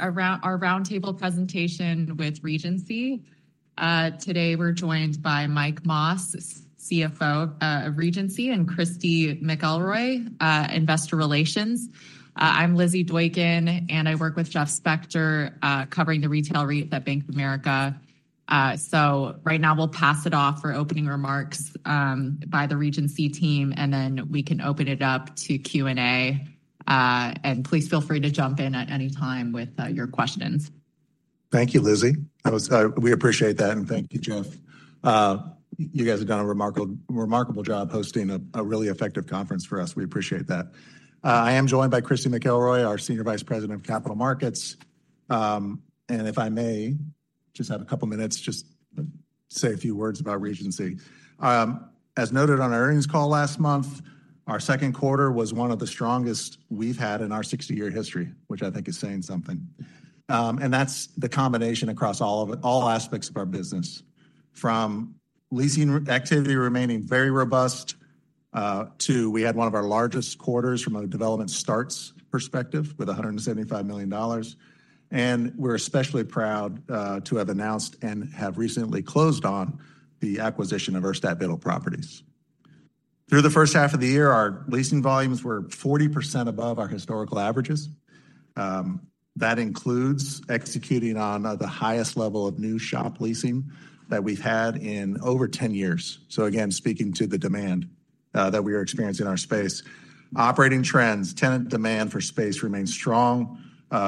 Our roundtable presentation with Regency. Today we're joined by Mike Mas, CFO, of Regency, and Christy McElroy, Investor Relations. I'm Lizzy Doykan, and I work with Jeff Spector, covering the retail REIT at Bank of America. So right now we'll pass it off for opening remarks by the Regency team, and then we can open it up to Q&A. And please feel free to jump in at any time with your questions. Thank you, Lizzy. We appreciate that, and thank you, Jeff. You guys have done a remarkable, remarkable job hosting a really effective conference for us. We appreciate that. I am joined by Christy McElroy, our Senior Vice President of Capital Markets. And if I may just have a couple minutes just to say a few words about Regency. As noted on our earnings call last month, our second quarter was one of the strongest we've had in our 60-year history, which I think is saying something. And that's the combination across all of it, all aspects of our business, from leasing activity remaining very robust, to we had one of our largest quarters from a development starts perspective, with $175 million. We're especially proud to have announced and have recently closed on the acquisition of Urstadt Biddle Properties. Through the first half of the year, our leasing volumes were 40% above our historical averages. That includes executing on the highest level of new shop leasing that we've had in over 10 years. So again, speaking to the demand that we are experiencing in our space. Operating trends, tenant demand for space remains strong.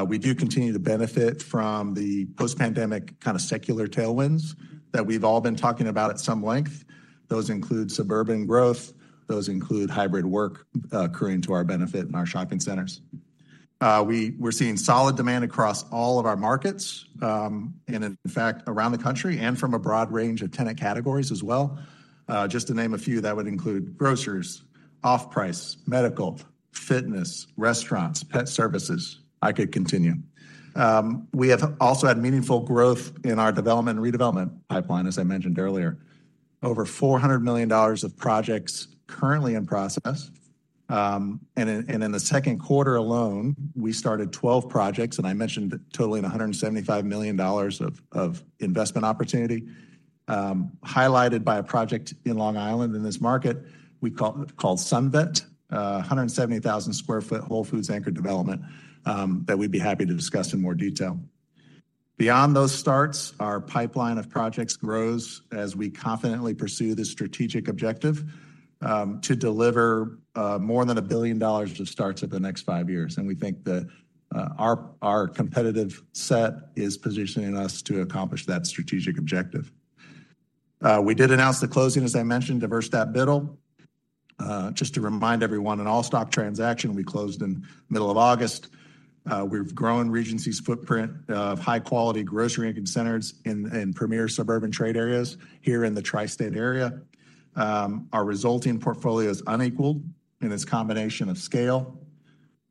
We do continue to benefit from the post-pandemic kind of secular tailwinds that we've all been talking about at some length. Those include suburban growth, those include hybrid work accruing to our benefit in our shopping centers. We're seeing solid demand across all of our markets, and in fact, around the country, and from a broad range of tenant categories as well. Just to name a few, that would include grocers, off-price, medical, fitness, restaurants, pet services. I could continue. We have also had meaningful growth in our development and redevelopment pipeline, as I mentioned earlier. Over $400 million of projects currently in process. In the second quarter alone, we started 12 projects, and I mentioned totaling $175 million of investment opportunity, highlighted by a project in Long Island in this market, we call, called s, a 170,000 sq ft Whole Foods anchored development, that we'd be happy to discuss in more detail. Beyond those starts, our pipeline of projects grows as we confidently pursue the strategic objective to deliver more than $1 billion of starts over the next five years. We think that our competitive set is positioning us to accomplish that strategic objective. We did announce the closing, as I mentioned, of Urstadt Biddle. Just to remind everyone, an all-stock transaction will be closed in the middle of August. We've grown Regency's footprint of high-quality, grocery-anchored centers in premier suburban trade areas here in the Tri-State Area. Our resulting portfolio is unequaled in its combination of scale,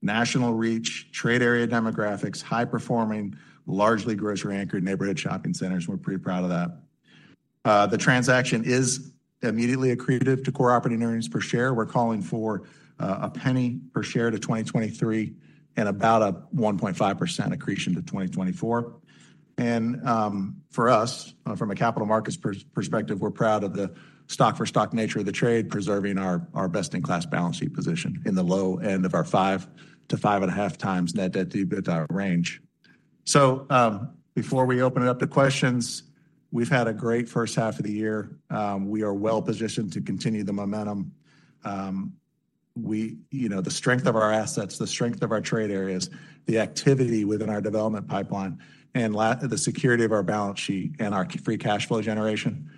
national reach, trade area demographics, high-performing, largely grocery-anchored, neighborhood shopping centers. We're pretty proud of that. The transaction is immediately accretive to core operating earnings per share. We're calling for $0.01 per share to 2023, and about a 1.5% accretion to 2024. For us, from a capital markets perspective, we're proud of the stock-for-stock nature of the trade, preserving our, our best-in-class balance sheet position in the low end of our 5x-5.5x net debt to EBITDA range. So, before we open it up to questions, we've had a great first half of the year. We are well positioned to continue the momentum. We-- you know, the strength of our assets, the strength of our trade areas, the activity within our development pipeline, and the security of our balance sheet and our free cash flow generation,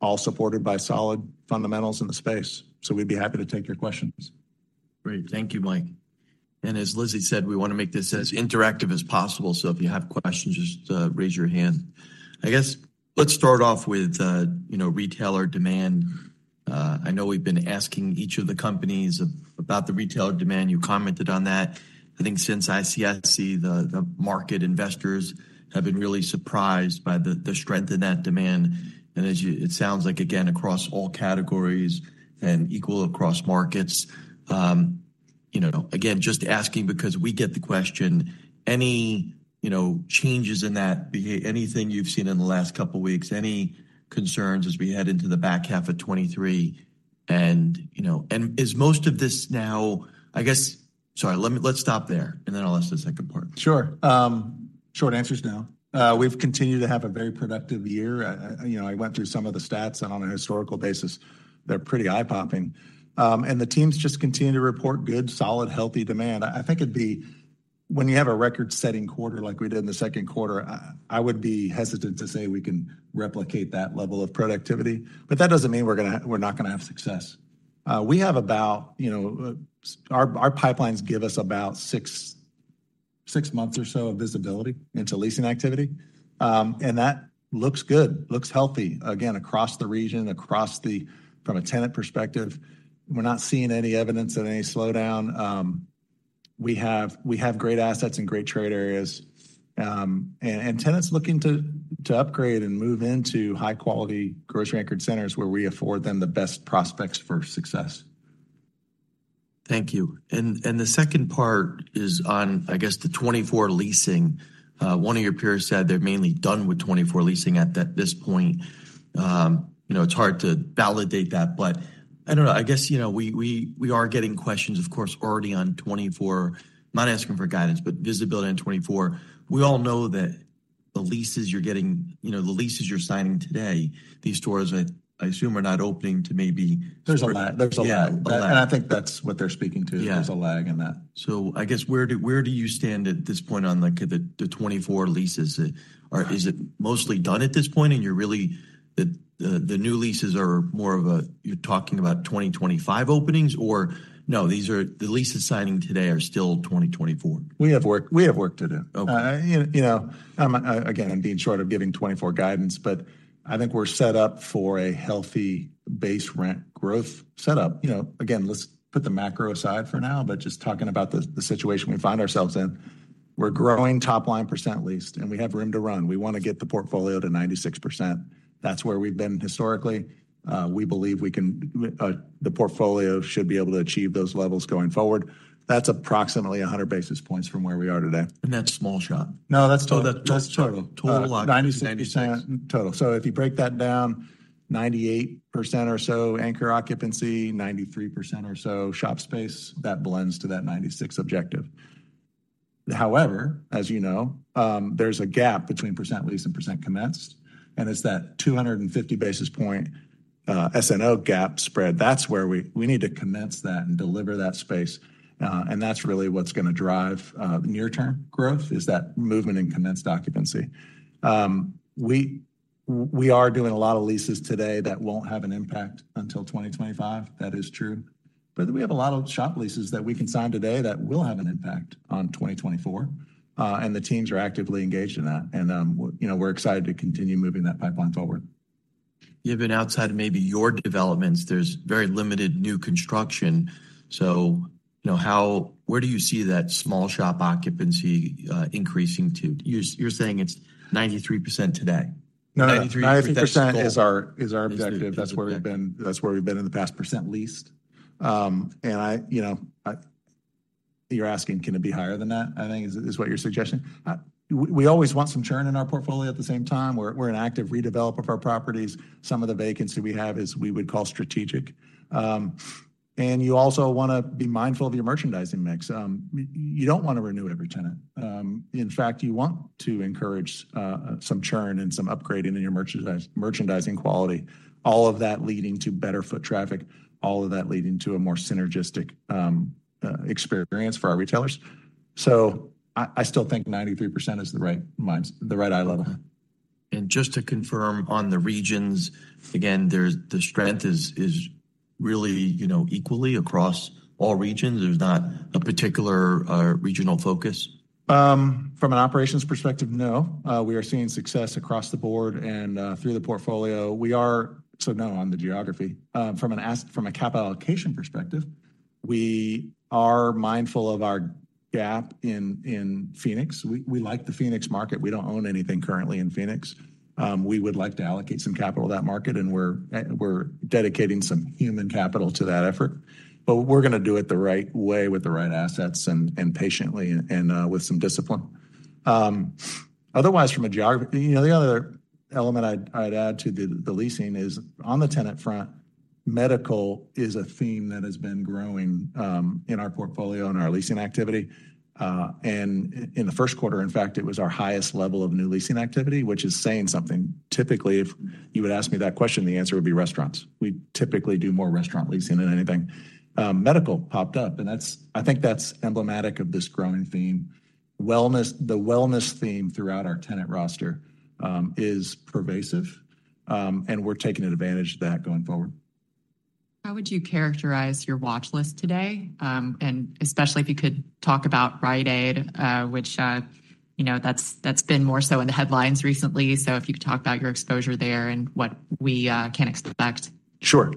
all supported by solid fundamentals in the space. So we'd be happy to take your questions. Great. Thank you, Mike. And as Lizzy said, we want to make this as interactive as possible, so if you have questions, just raise your hand. I guess let's start off with, you know, retailer demand. I know we've been asking each of the companies about the retailer demand. You commented on that. I think since ICSC, the market investors have been really surprised by the strength in that demand, and as you it sounds like, again, across all categories and equal across markets. You know, again, just asking because we get the question, any, you know, changes in that anything you've seen in the last couple of weeks, any concerns as we head into the back half of 2023? And, you know, is most of this now. Sorry, let's stop there, and then I'll ask the second part. Sure. Short answer is no. We've continued to have a very productive year. You know, I went through some of the stats, and on a historical basis, they're pretty eye-popping. And the teams just continue to report good, solid, healthy demand. I think it'd be. When you have a record-setting quarter like we did in the second quarter, I would be hesitant to say we can replicate that level of productivity, but that doesn't mean we're gonna. We're not gonna have success. We have about, you know, our pipelines give us about six months or so of visibility into leasing activity. And that looks good, looks healthy, again, across the region, across the from a tenant perspective, we're not seeing any evidence of any slowdown. We have great assets and great trade areas, and tenants looking to upgrade and move into high-quality, grocery-anchored centers, where we afford them the best prospects for success. Thank you. And the second part is on, I guess, the 2024 leasing. One of your peers said they're mainly done with 2024 leasing at this point. You know, it's hard to validate that, but I don't know. I guess, you know, we are getting questions, of course, already on 2024. I'm not asking for guidance, but visibility on 2024. We all know that the leases you're getting, you know, the leases you're signing today, these stores, I assume, are not opening to maybe- There's a lag. Yeah, a lag. I think that's what they're speaking to. Yeah. There's a lag in that. So I guess, where do you stand at this point on, like, the 24 leases? Or is it mostly done at this point, and you're really, the new leases are more of a—you're talking about 2025 openings? Or no, these are—the leases signing today are still 2024? We have work to do. Okay. You know, again, I'm being short of giving 2024 guidance, but I think we're set up for a healthy base rent growth setup. You know, again, let's put the macro aside for now, but just talking about the situation we find ourselves in. We're growing top-line percent leased, and we have room to run. We want to get the portfolio to 96%. That's where we've been historically. We believe we can, the portfolio should be able to achieve those levels going forward. That's approximately 100 basis points from where we are today. That's small shop? No, that's total. That's total, total. 96% total. So if you break that down, 98% or so anchor occupancy, 93% or so shop space, that blends to that 96% objective. However, as you know, there's a gap between percent leased and percent commenced, and it's that 250 basis point SNO gap spread. That's where we need to commence that and deliver that space, and that's really what's gonna drive the near-term growth, is that movement in commenced occupancy. We are doing a lot of leases today that won't have an impact until 2025. That is true. But we have a lot of shop leases that we can sign today that will have an impact on 2024, and the teams are actively engaged in that. And, you know, we're excited to continue moving that pipeline forward. Even outside of maybe your developments, there's very limited new construction. So, you know, how, where do you see that small shop occupancy increasing to? You're saying it's 93% today. No, no. 93- 93% is our objective. Is your objective. That's where we've been, that's where we've been in the past percent leased. You know, you're asking, can it be higher than that? I think is what you're suggesting. We always want some churn in our portfolio at the same time. We're an active redeveloper of our properties. Some of the vacancy we have is, we would call strategic. You also wanna be mindful of your merchandising mix. You don't want to renew every tenant. In fact, you want to encourage some churn and some upgrading in your merchandising quality. All of that leading to better foot traffic, all of that leading to a more synergistic experience for our retailers. So I still think 93% is the right minds, the right eye level. Just to confirm on the regions, again, there's the strength is really, you know, equally across all regions? There's not a particular regional focus? From an operations perspective, no. We are seeing success across the board and through the portfolio. So no, on the geography. From a capital allocation perspective, we are mindful of our gap in Phoenix. We like the Phoenix market. We don't own anything currently in Phoenix. We would like to allocate some capital to that market, and we're dedicating some human capital to that effort. But we're gonna do it the right way, with the right assets and patiently and with some discipline. Otherwise, from a geography. You know, the other element I'd add to the leasing is, on the tenant front, medical is a theme that has been growing in our portfolio and our leasing activity. And in the first quarter, in fact, it was our highest level of new leasing activity, which is saying something. Typically, if you would ask me that question, the answer would be restaurants. We typically do more restaurant leasing than anything. Medical popped up, and that's. I think that's emblematic of this growing theme. Wellness, the wellness theme throughout our tenant roster is pervasive, and we're taking advantage of that going forward. How would you characterize your watch list today? And especially if you could talk about Rite Aid, which, you know, that's, that's been more so in the headlines recently. So if you could talk about your exposure there and what we can expect. Sure.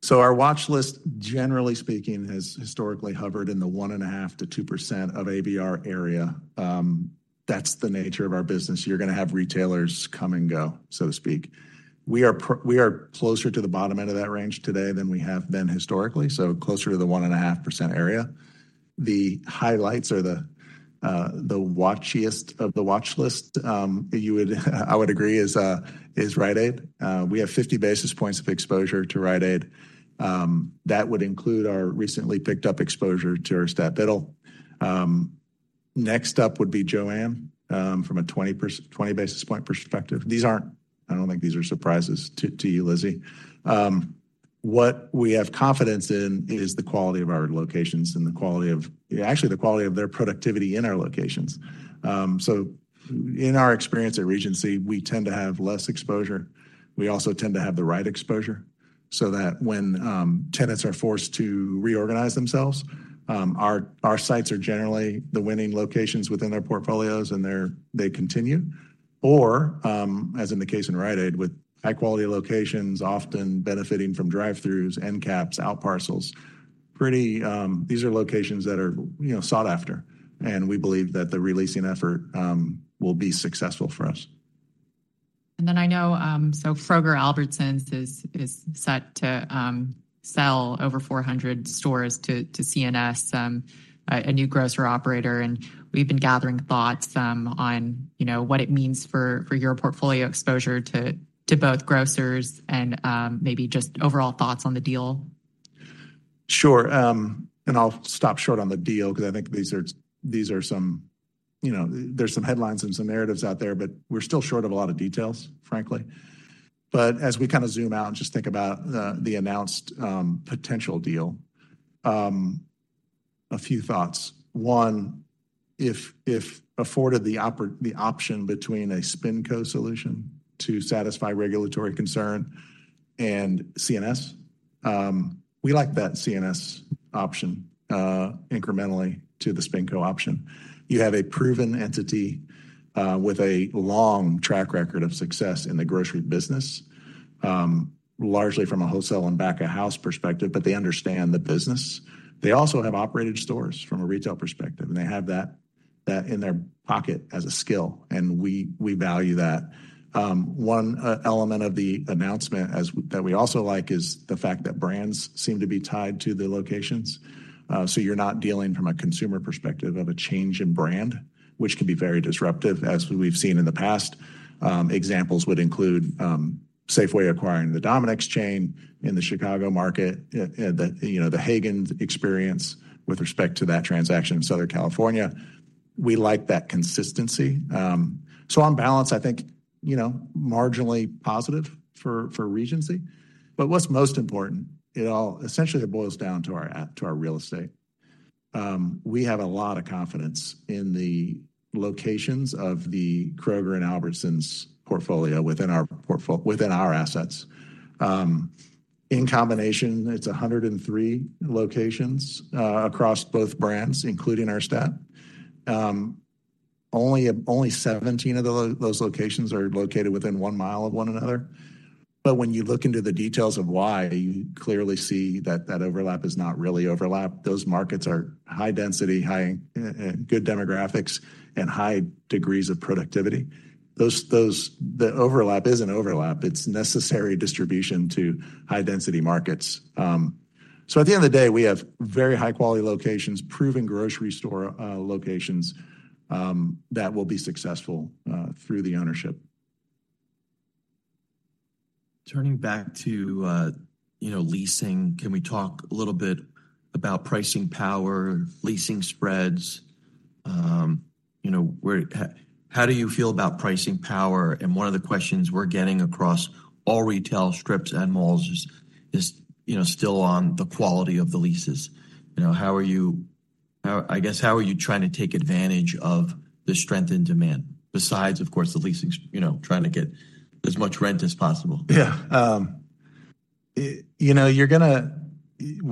So our watch list, generally speaking, has historically hovered in the 1.5%-2% of ABR area. That's the nature of our business. You're gonna have retailers come and go, so to speak. We are closer to the bottom end of that range today than we have been historically, so closer to the 1.5% area. The highlights or the watchiest of the watch list, you would agree, is Rite Aid. We have 50 basis points of exposure to Rite Aid. That would include our recently picked up exposure to our Urstadt Biddle. Next up would be JOANN, from a 20 basis points perspective. These aren't, I don't think these are surprises to you, Lizzy. What we have confidence in is the quality of our locations and the quality of. Actually, the quality of their productivity in our locations. So in our experience at Regency, we tend to have less exposure. We also tend to have the right exposure, so that when tenants are forced to reorganize themselves, our sites are generally the winning locations within their portfolios, and they continue. Or, as in the case in Rite Aid, with high-quality locations, often benefiting from drive-throughs, end caps, out parcels, pretty. These are locations that are, you know, sought after, and we believe that the re-leasing effort will be successful for us. And then I know, so Kroger, Albertsons is set to sell over 400 stores to C&S, a new grocer operator. And we've been gathering thoughts on, you know, what it means for your portfolio exposure to both grocers and maybe just overall thoughts on the deal. Sure, I'll stop short on the deal, because I think these are some. You know, there's some headlines and some narratives out there, but we're still short of a lot of details, frankly. But as we kind of zoom out and just think about the announced potential deal, a few thoughts. One, if afforded the option between a SpinCo solution to satisfy regulatory concern and C&S, we like that C&S option, incrementally to the SpinCo option. You have a proven entity with a long track record of success in the Grocery business, largely from a wholesale and back-of-house perspective, but they understand the business. They also have operated stores from a retail perspective, and they have that in their pocket as a skill, and we value that. One element of the announcement that we also like is the fact that brands seem to be tied to the locations. So you're not dealing from a consumer perspective of a change in brand, which can be very disruptive, as we've seen in the past. Examples would include Safeway acquiring the Dominick's chain in the Chicago market, the, you know, the Haggen experience with respect to that transaction in Southern California. We like that consistency. So on balance, I think, you know, marginally positive for Regency. But what's most important, it all essentially it boils down to our to our real estate. We have a lot of confidence in the locations of the Kroger and Albertsons portfolio within our portfol- within our assets. In combination, it's 103 locations across both brands, including our stat. Only 17 of those locations are located within 1 mi of one another. But when you look into the details of why, you clearly see that that overlap is not really overlap. Those markets are high density, high good demographics, and high degrees of productivity. The overlap isn't overlap, it's necessary distribution to high-density markets. So at the end of the day, we have very high-quality locations, proven grocery store locations, that will be successful through the ownership. Turning back to, you know, leasing, can we talk a little bit about pricing power, leasing spreads? You know, where, how do you feel about pricing power? And one of the questions we're getting across all retail strips and malls is, you know, still on the quality of the leases. You know, how are you. How, I guess, how are you trying to take advantage of the strength in demand, besides, of course, the leasing, you know, trying to get as much rent as possible? Yeah. You know, you're gonna, you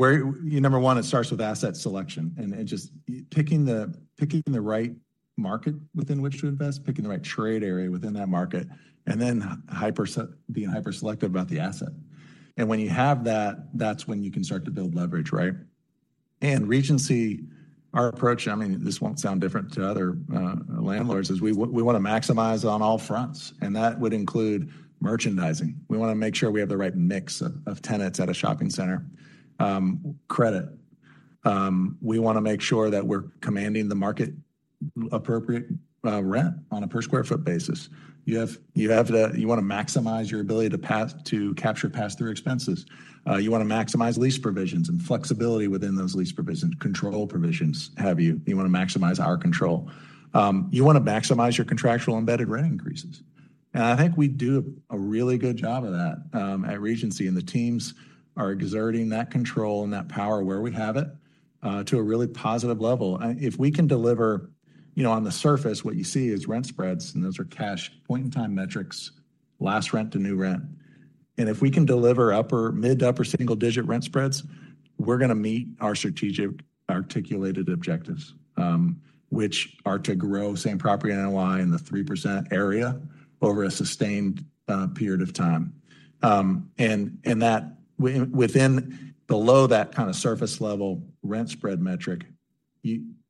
number one, it starts with asset selection, and just picking the right market within which to invest, picking the right trade area within that market, and then being hyper selective about the asset. And when you have that, that's when you can start to build leverage, right? And Regency, our approach, I mean, this won't sound different to other landlords, is we wanna maximize on all fronts, and that would include merchandising. We wanna make sure we have the right mix of tenants at a shopping center. Credit, we wanna make sure that we're commanding the market appropriate rent on a per square foot basis. You wanna maximize your ability to capture pass-through expenses. You wanna maximize lease provisions and flexibility within those lease provisions, control provisions, what have you. You wanna maximize our control. You wanna maximize your contractual embedded rent increases. I think we do a really good job of that, at Regency, and the teams are exerting that control and that power where we have it, to a really positive level. If we can deliver. You know, on the surface, what you see is rent spreads, and those are cash point-in-time metrics, last rent to new rent. If we can deliver upper, mid to upper single-digit rent spreads, we're gonna meet our strategic articulated objectives, which are to grow same property NOI in the 3% area over a sustained period of time. And that within, below that kind of surface-level rent spread metric,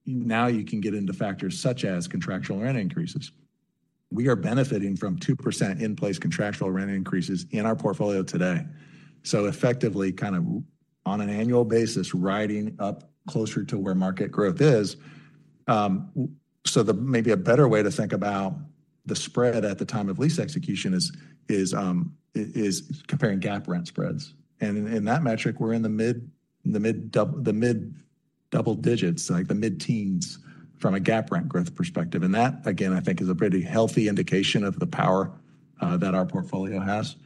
now you can get into factors such as contractual rent increases. We are benefiting from 2% in-place contractual rent increases in our portfolio today. So effectively, kind of on an annual basis, riding up closer to where market growth is. So the maybe a better way to think about the spread at the time of lease execution is comparing GAAP rent spreads. And in that metric, we're in the mid double digits, like the mid-teens, from a GAAP rent growth perspective. And that, again, I think is a pretty healthy indication of the power that our portfolio has.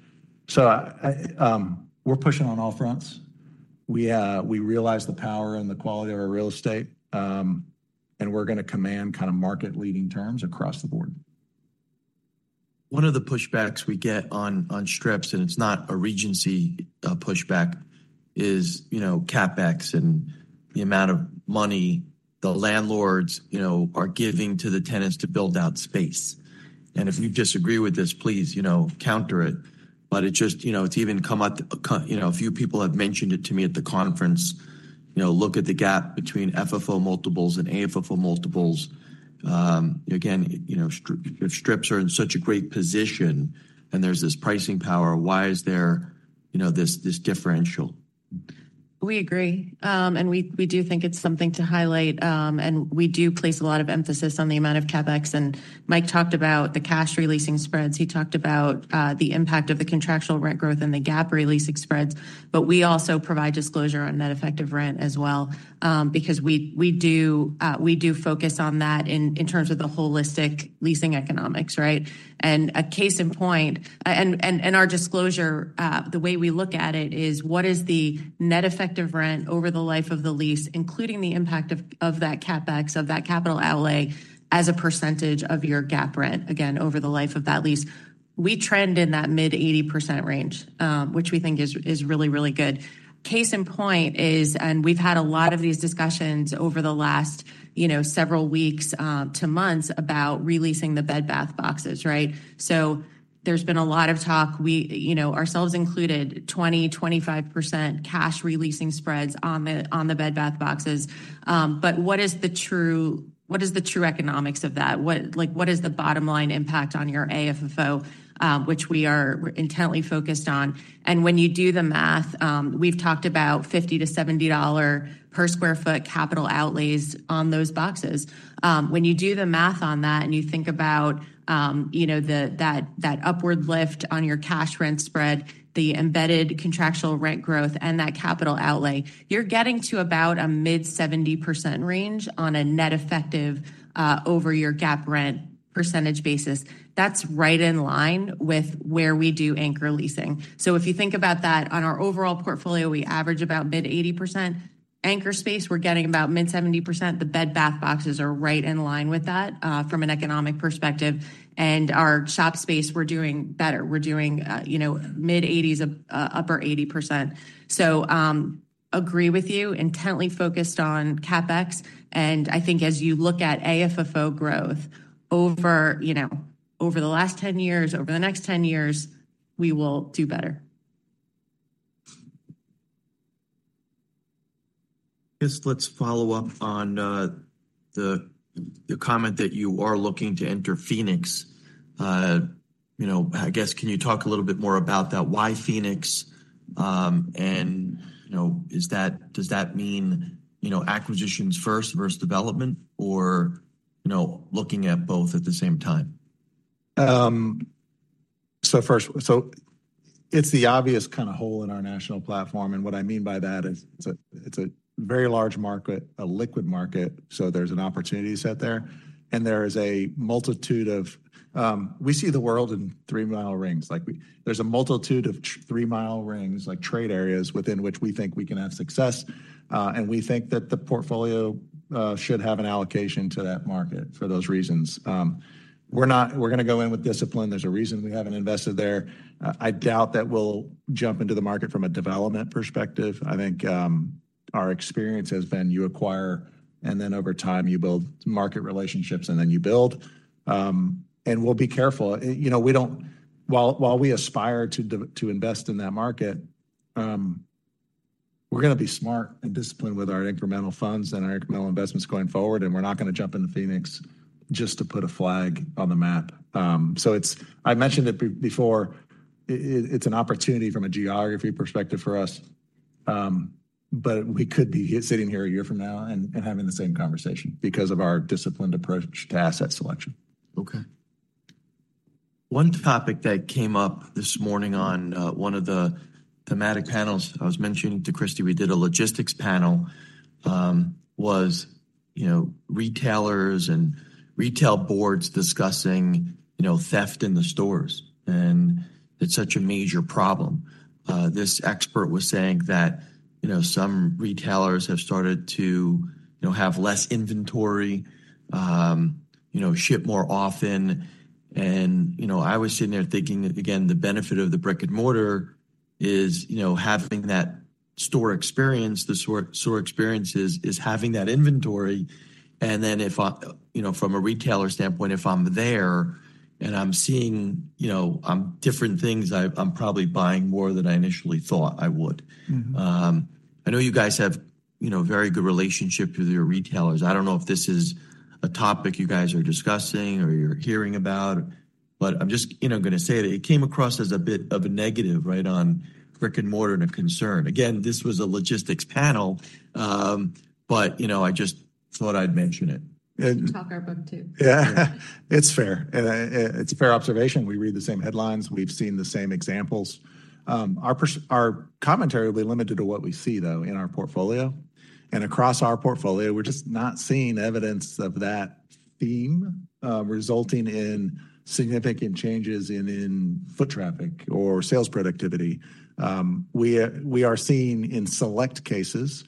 So, we're pushing on all fronts. We realize the power and the quality of our real estate, and we're gonna command kind of market-leading terms across the board. One of the pushbacks we get on strips, and it's not a Regency pushback, is, you know, CapEx and the amount of money the landlords, you know, are giving to the tenants to build out space. And if you disagree with this, please, you know, counter it, but it just, you know, it's even come out. You know, a few people have mentioned it to me at the conference. You know, look at the gap between FFO multiples and AFFO multiples. Again, you know, strips are in such a great position, and there's this pricing power. Why is there, you know, this, this differential? We agree, and we do think it's something to highlight, and we do place a lot of emphasis on the amount of CapEx. And Mike talked about the cash re-leasing spreads. He talked about the impact of the contractual rent growth and the GAAP re-leasing spreads, but we also provide disclosure on net effective rent as well, because we do focus on that in terms of the holistic leasing economics, right? And a case in point, and our disclosure, the way we look at it, is what is the net effective rent over the life of the lease, including the impact of that CapEx, of that capital outlay, as a percentage of your GAAP rent, again, over the life of that lease? We trend in that mid-80% range, which we think is really, really good. Case in point is, and we've had a lot of these discussions over the last, you know, several weeks to months, about re-leasing the Bed Bath boxes, right? So there's been a lot of talk. We, you know, ourselves included, 20%-25% cash re-leasing spreads on the Bed Bath boxes. But what is the true, what is the true economics of that? What, like, what is the bottom line impact on your AFFO, which we are intently focused on? When you do the math, we've talked about $50 per sq ft-$70 per sq ft capital outlays on those boxes. When you do the math on that, and you think about, you know, that upward lift on your cash rent spread, the embedded contractual rent growth, and that capital outlay, you're getting to about a mid-70% range on a net effective over your GAAP rent percentage basis. That's right in line with where we do anchor leasing. So if you think about that, on our overall portfolio, we average about mid-80%. Anchor space, we're getting about mid-70%. The Bed Bath boxes are right in line with that from an economic perspective. And our shop space, we're doing better. We're doing mid-80s, upper 80%. Agree with you, intently focused on CapEx, and I think as you look at AFFO growth over, you know, over the last 10 years, over the next 10 years, we will do better. I guess let's follow up on the comment that you are looking to enter Phoenix. You know, I guess, can you talk a little bit more about that? Why Phoenix? And, you know, is that- does that mean, you know, acquisitions first versus development or, you know, looking at both at the same time? So it's the obvious kind of hole in our national platform, and what I mean by that is, it's a very large market, a liquid market, so there's an opportunity set there. And there is a multitude of. We see the world in 3-mi rings. Like, there's a multitude of 3-mi rings, like trade areas, within which we think we can have success, and we think that the portfolio should have an allocation to that market for those reasons. We're gonna go in with discipline. There's a reason we haven't invested there. I doubt that we'll jump into the market from a development perspective. I think, our experience has been you acquire, and then over time, you build market relationships, and then you build. And we'll be careful. You know, we don't. While we aspire to invest in that market, we're gonna be smart and disciplined with our incremental funds and our incremental investments going forward, and we're not gonna jump into Phoenix just to put a flag on the map. So I've mentioned it before. It's an opportunity from a geography perspective for us, but we could be here, sitting here a year from now and having the same conversation because of our disciplined approach to asset selection. Okay. One topic that came up this morning on one of the thematic panels, I was mentioning to Christy, we did a logistics panel, you know, retailers and retail boards discussing, you know, theft in the stores, and it's such a major problem. This expert was saying that, you know, some retailers have started to, you know, have less inventory, you know, ship more often. And, you know, I was sitting there thinking, again, the benefit of the brick-and-mortar is, you know, having that store experience. The store experience is having that inventory. And then, if I. You know, from a retailer standpoint, if I'm there and I'm seeing, you know, different things, I'm probably buying more than I initially thought I would. Mm-hmm. I know you guys have, you know, a very good relationship with your retailers. I don't know if this is a topic you guys are discussing or you're hearing about, but I'm just, you know, gonna say that it came across as a bit of a negative, right, on brick-and-mortar and a concern. Again, this was a logistics panel, but, you know, I just thought I'd mention it. We talk our book, too. Yeah. It's fair. It's a fair observation. We read the same headlines. We've seen the same examples. Our commentary will be limited to what we see, though, in our portfolio. And across our portfolio, we're just not seeing evidence of that theme resulting in significant changes in foot traffic or sales productivity. We are seeing in select cases.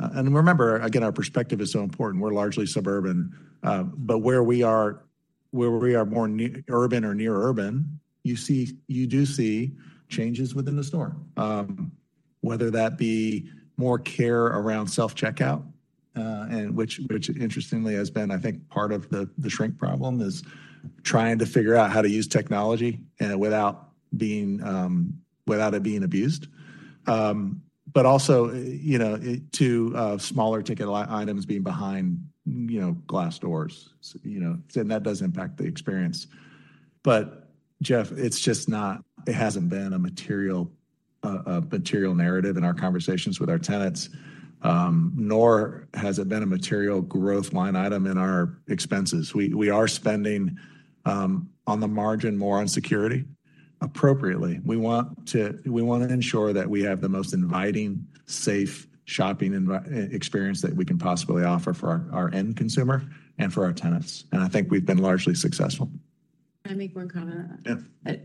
And remember, again, our perspective is so important. We're largely suburban. But where we are more urban or near urban, you do see changes within the store. Whether that be more care around self-checkout, and which interestingly has been, I think, part of the shrink problem, is trying to figure out how to use technology without it being abused. But also, you know, to smaller ticket items being behind, you know, glass doors. You know, and that does impact the experience. But Jeff, it's just not; it hasn't been a material narrative in our conversations with our tenants, nor has it been a material growth line item in our expenses. We are spending, on the margin, more on security appropriately. We want to ensure that we have the most inviting, safe shopping experience that we can possibly offer for our end consumer and for our tenants, and I think we've been largely successful. Can I make one comment? Yeah.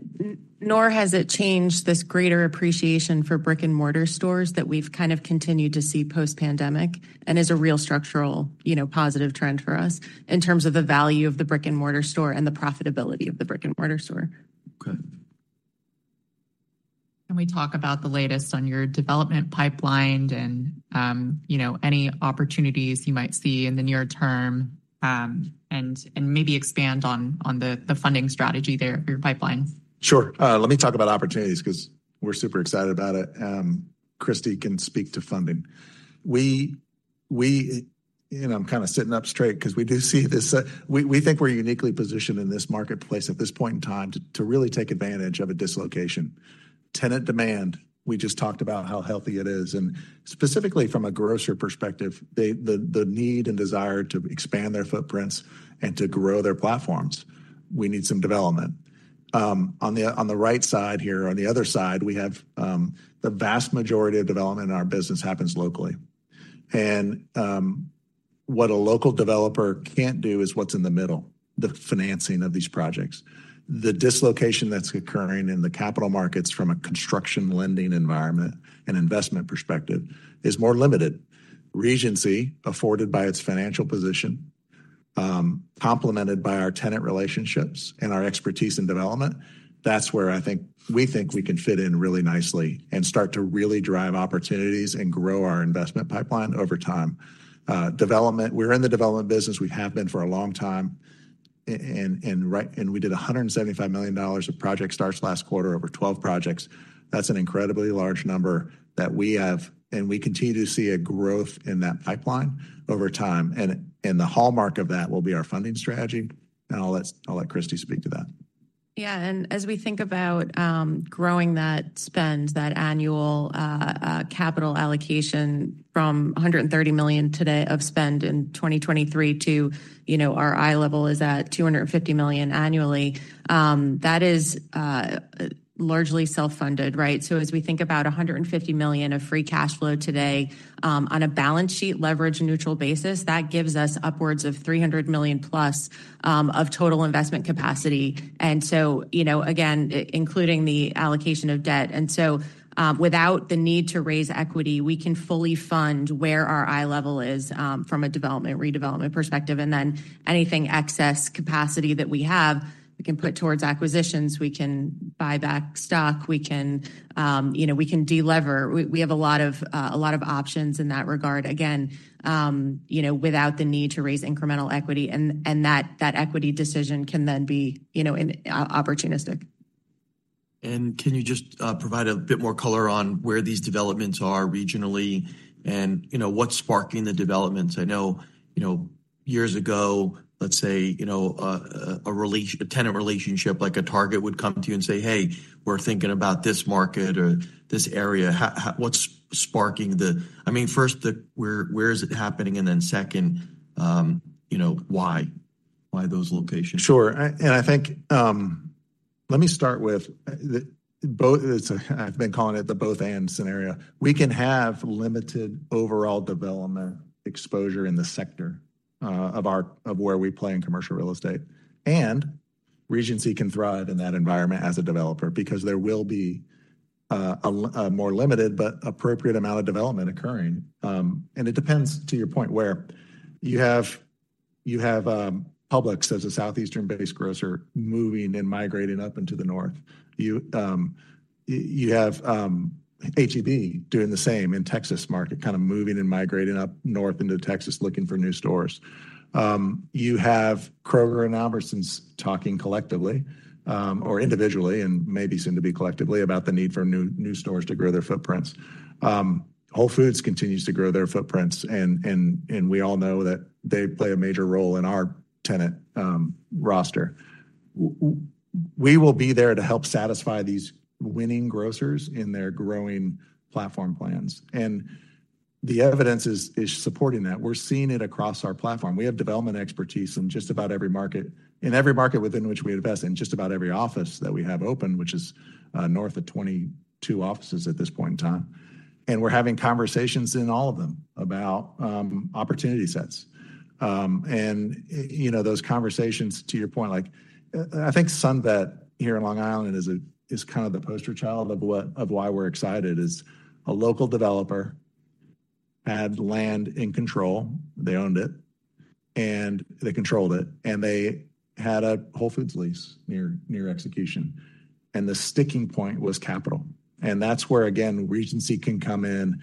Nor has it changed this greater appreciation for brick-and-mortar stores that we've kind of continued to see post-pandemic, and is a real structural, you know, positive trend for us in terms of the value of the brick-and-mortar store and the profitability of the brick-and-mortar store. Okay. Can we talk about the latest on your development pipeline and, you know, any opportunities you might see in the near term, and maybe expand on the funding strategy there for your pipeline? Sure. Let me talk about opportunities 'cause we're super excited about it. Christy can speak to funding. We, you know, I'm kind of sitting up straight 'cause we do see this. We think we're uniquely positioned in this marketplace at this point in time to really take advantage of a dislocation. Tenant demand, we just talked about how healthy it is, and specifically from a grocer perspective, they, the need and desire to expand their footprints and to grow their platforms. We need some development. On the right side here, on the other side, we have the vast majority of development in our business happens locally. And what a local developer can't do is what's in the middle, the financing of these projects. The dislocation that's occurring in the capital markets from a construction lending environment and investment perspective is more limited. Regency, afforded by its financial position, complemented by our tenant relationships and our expertise in development, that's where I think, we think we can fit in really nicely and start to really drive opportunities and grow our investment pipeline over time. Development, we're in the development business, we have been for a long time, and we did $175 million of project starts last quarter over 12 projects. That's an incredibly large number that we have, and we continue to see a growth in that pipeline over time, and the hallmark of that will be our funding strategy, and I'll let Christy speak to that. Yeah, and as we think about growing that spend, that annual capital allocation from $130 million today of spend in 2023 to, you know, our eye level is at $250 million annually, that is largely self-funded, right? So as we think about $150 million of free cash flow today, on a balance sheet, leverage-neutral basis, that gives us upwards of $300 million plus of total investment capacity. And so, you know, again, including the allocation of debt. And so, without the need to raise equity, we can fully fund where our eye level is from a development, redevelopment perspective, and then anything excess capacity that we have, we can put towards acquisitions, we can buy back stock, we can, you know, we can de-lever. We have a lot of options in that regard, again, you know, without the need to raise incremental equity, and that equity decision can then be, you know, an opportunistic. Can you just provide a bit more color on where these developments are regionally and, you know, what's sparking the developments? I know, you know, years ago, let's say, a tenant relationship, like a Target, would come to you and say, "Hey, we're thinking about this market or this area." What's sparking the, I mean, first, the where, where is it happening? And then second, you know, why? Why those locations? Sure. And I think, let me start with, it's a I've been calling it the both-and scenario. We can have limited overall development exposure in the sector of where we play in commercial real estate, and Regency can thrive in that environment as a developer because there will be a more limited but appropriate amount of development occurring. And it depends, to your point, where you have Publix as a southeastern-based grocer moving and migrating up into the North. You have HEB doing the same in the Texas market, kind of moving and migrating up north into Texas, looking for new stores. You have Kroger and Albertsons talking collectively or individually, and maybe soon to be collectively, about the need for new stores to grow their footprints. Whole Foods continues to grow their footprints, and we all know that they play a major role in our tenant roster. We will be there to help satisfy these winning grocers in their growing platform plans, and the evidence is supporting that. We're seeing it across our platform. We have development expertise in just about every market within which we invest, in just about every office that we have open, which is north of 22 offices at this point in time, and we're having conversations in all of them about opportunity sets. And, you know, those conversations, to your point, like, I think SunVet here in Long Island is kind of the poster child of why we're excited. It's a local developer, had land in control, they owned it, and they controlled it, and they had a Whole Foods lease near, near execution, and the sticking point was capital. And that's where, again, Regency can come in.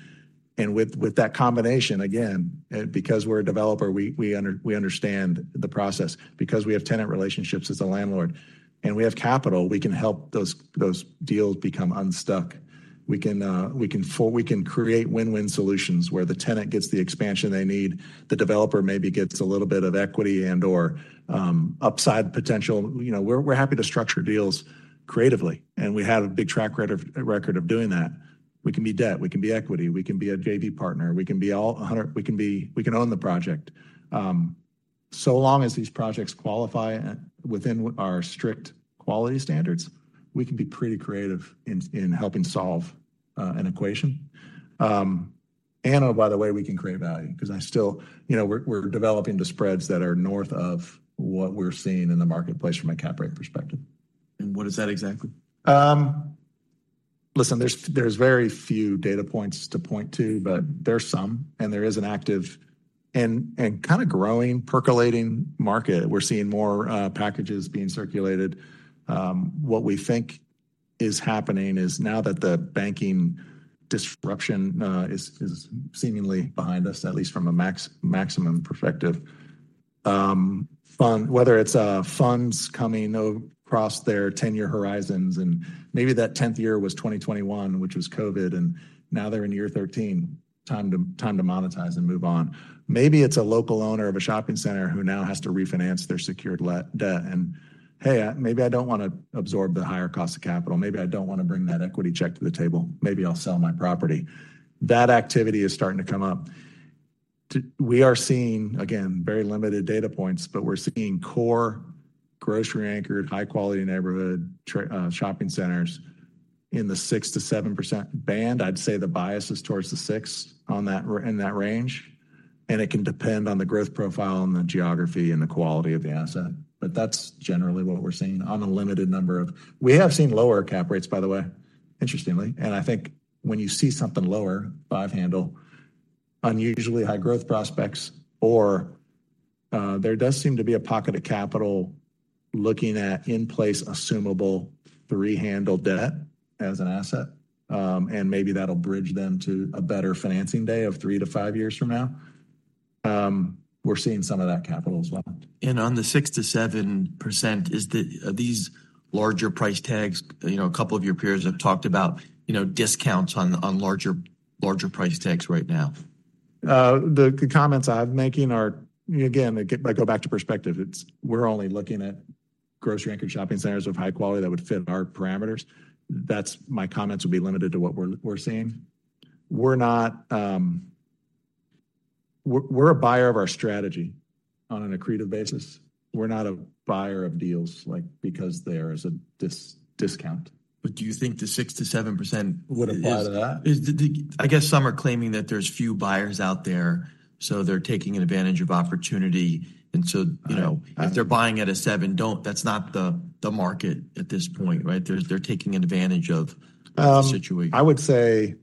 And with that combination, again, and because we're a developer, we understand the process. Because we have tenant relationships as a landlord, and we have capital, we can help those deals become unstuck. We can create win-win solutions, where the tenant gets the expansion they need, the developer maybe gets a little bit of equity and/or upside potential. You know, we're happy to structure deals creatively, and we have a big track record of doing that. We can be debt, we can be equity, we can be a JV partner, we can be all a hundred. We can own the project. So long as these projects qualify and within our strict quality standards, we can be pretty creative in helping solve an equation. And oh, by the way, we can create value, 'cause you know, we're developing the spreads that are north of what we're seeing in the marketplace from a cap rate perspective. What is that exactly? Listen, there's very few data points to point to, but there are some, and there is an active and kind of growing, percolating market. We're seeing more packages being circulated. What we think is happening is, now that the banking disruption is seemingly behind us, at least from a maximum perspective, whether it's funds coming across their tenure horizons, and maybe that 10th year was 2021, which was COVID, and now they're in year 13, time to monetize and move on. Maybe it's a local owner of a shopping center who now has to refinance their secured debt, and, "Hey, maybe I don't want to absorb the higher cost of capital. Maybe I don't want to bring that equity check to the table. Maybe I'll sell my property." That activity is starting to come up. We are seeing, again, very limited data points, but we're seeing core grocery-anchored, high-quality neighborhood shopping centers in the 6%-7% band. I'd say the bias is towards the six on that in that range, and it can depend on the growth profile, and the geography, and the quality of the asset, but that's generally what we're seeing on a limited number of. We have seen lower cap rates, by the way, interestingly, and I think when you see something lower, five handle, unusually high growth prospects, or there does seem to be a pocket of capital looking at in-place, assumable, three-handle debt as an asset. And maybe that'll bridge them to a better financing day ofthree to five years from now. We're seeing some of that capital as well. On the 6%-7%, are these larger price tags? You know, a couple of your peers have talked about, you know, discounts on larger price tags right now. The comments I'm making are. Again, I go back to perspective. We're only looking at grocery-anchored shopping centers of high quality that would fit our parameters. That's. My comments would be limited to what we're seeing. We're not. We're a buyer of our strategy on an accretive basis. We're not a buyer of deals, like, because there is a discount. Do you think the 6%-7%? Would apply to that? Is, I guess some are claiming that there's few buyers out there, so they're taking advantage of opportunity, and so- I- You know, if they're buying at a seven, that's not the market at this point, right? They're taking advantage of the situation. I would say,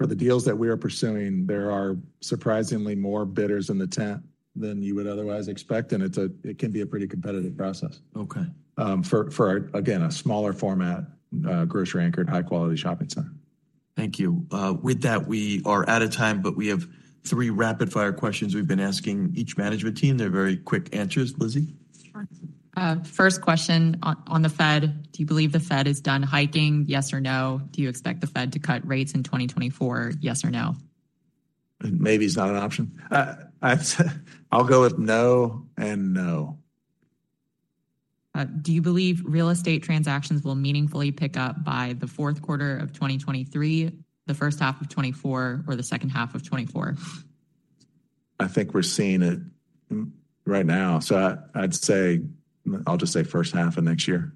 for the deals that we are pursuing, there are surprisingly more bidders in the tent than you would otherwise expect, and it's it can be a pretty competitive process. Okay. For, again, a smaller format, grocery-anchored, high-quality shopping center. Thank you. With that, we are out of time, but we have three rapid-fire questions we've been asking each management team. They're very quick answers. Lizzy? Sure. First question, on the Fed: Do you believe the Fed is done hiking, yes or no? Do you expect the Fed to cut rates in 2024, yes or no? Maybe is not an option. I'd say I'll go with no and no. Do you believe real estate transactions will meaningfully pick up by the fourth quarter of 2023, the first half of 2024, or the second half of 2024? I think we're seeing it right now. So I, I'd say, I'll just say first half of next year.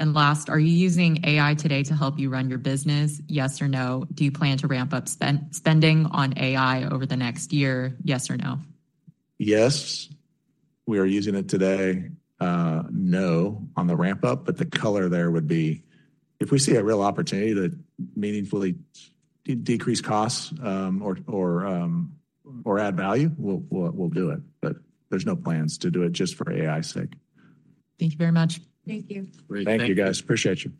Last, are you using AI today to help you run your business, yes or no? Do you plan to ramp up spending on AI over the next year, yes or no? Yes, we are using it today. No, on the ramp-up, but the color there would be, if we see a real opportunity to meaningfully decrease costs, or add value, we'll do it, but there's no plans to do it just for AI's sake. Thank you very much. Thank you. Thank you, guys. Appreciate you.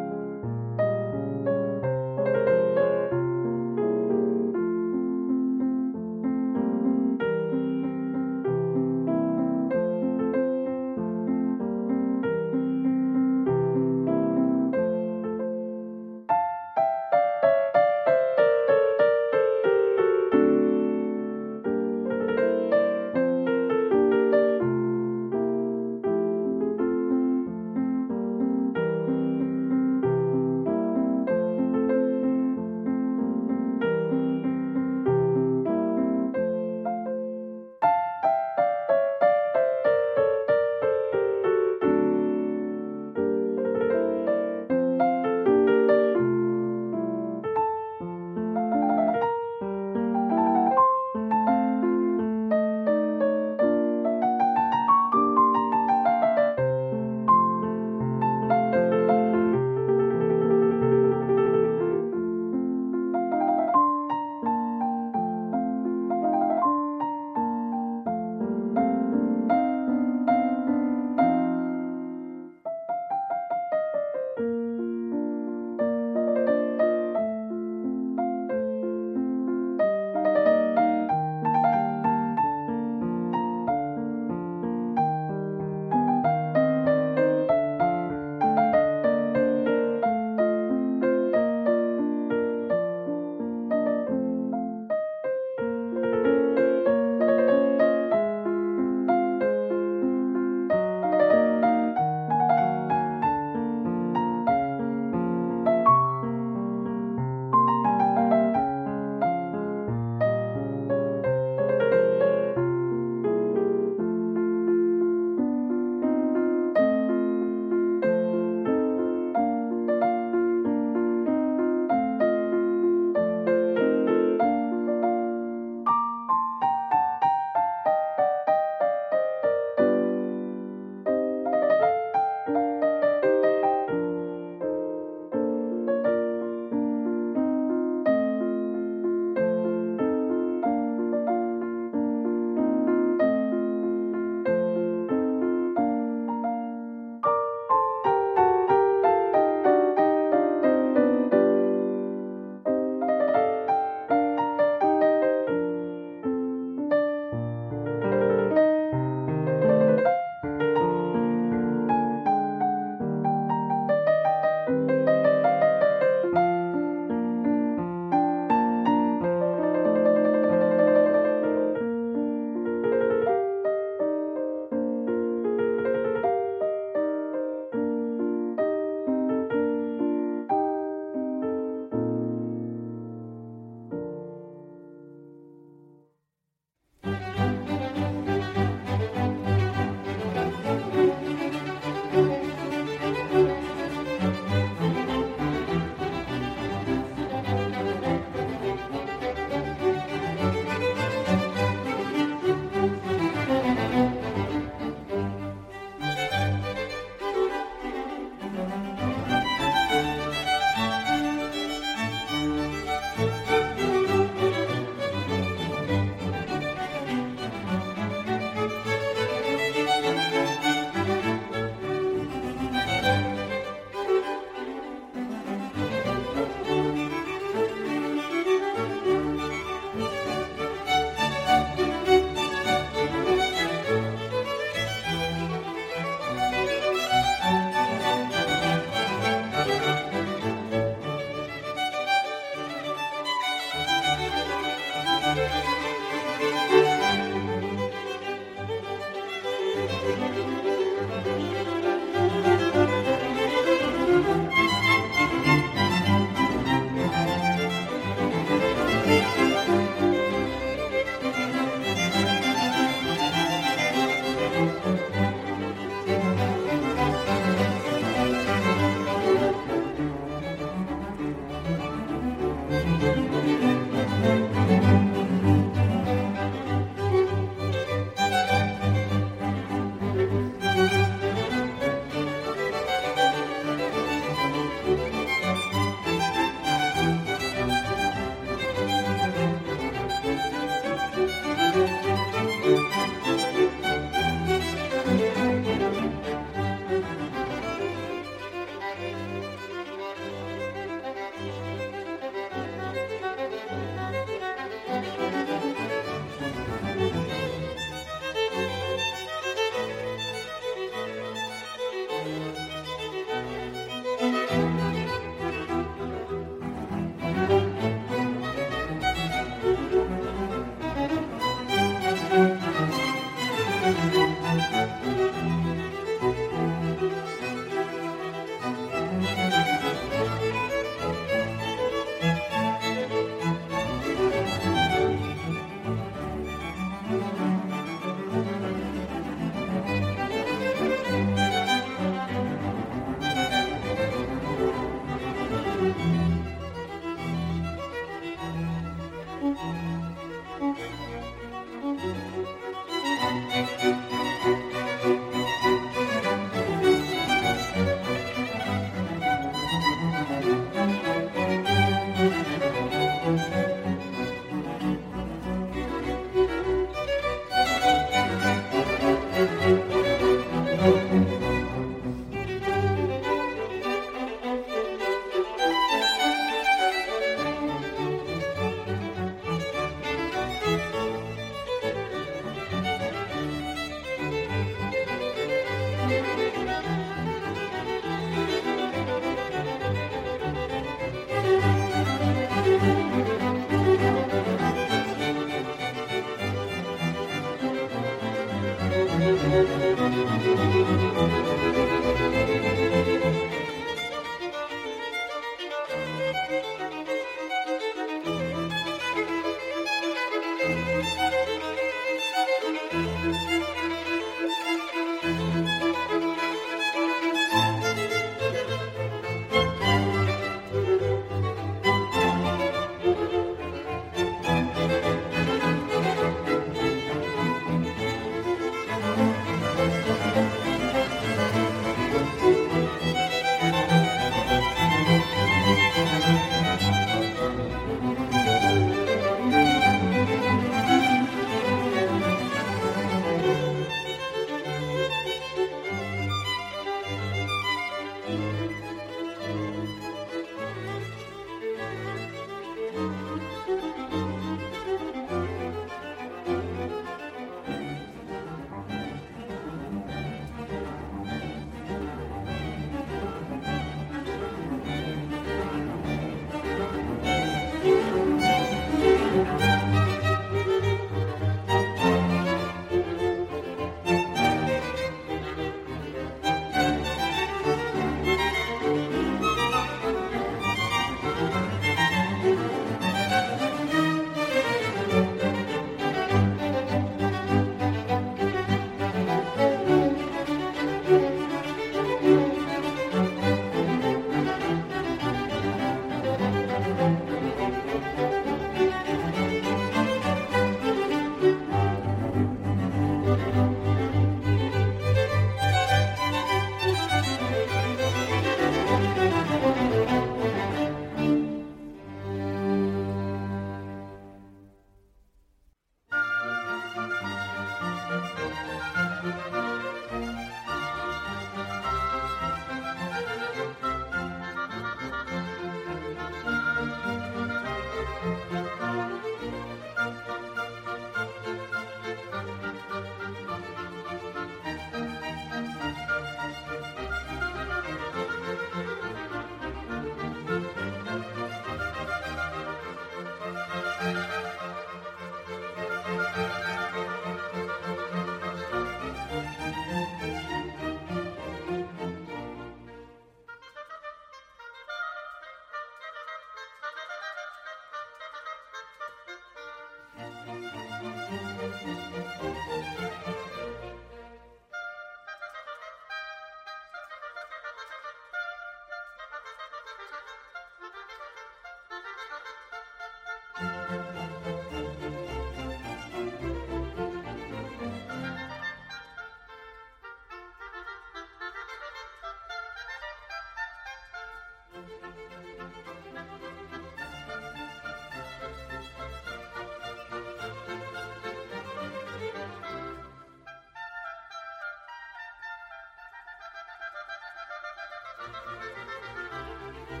I'm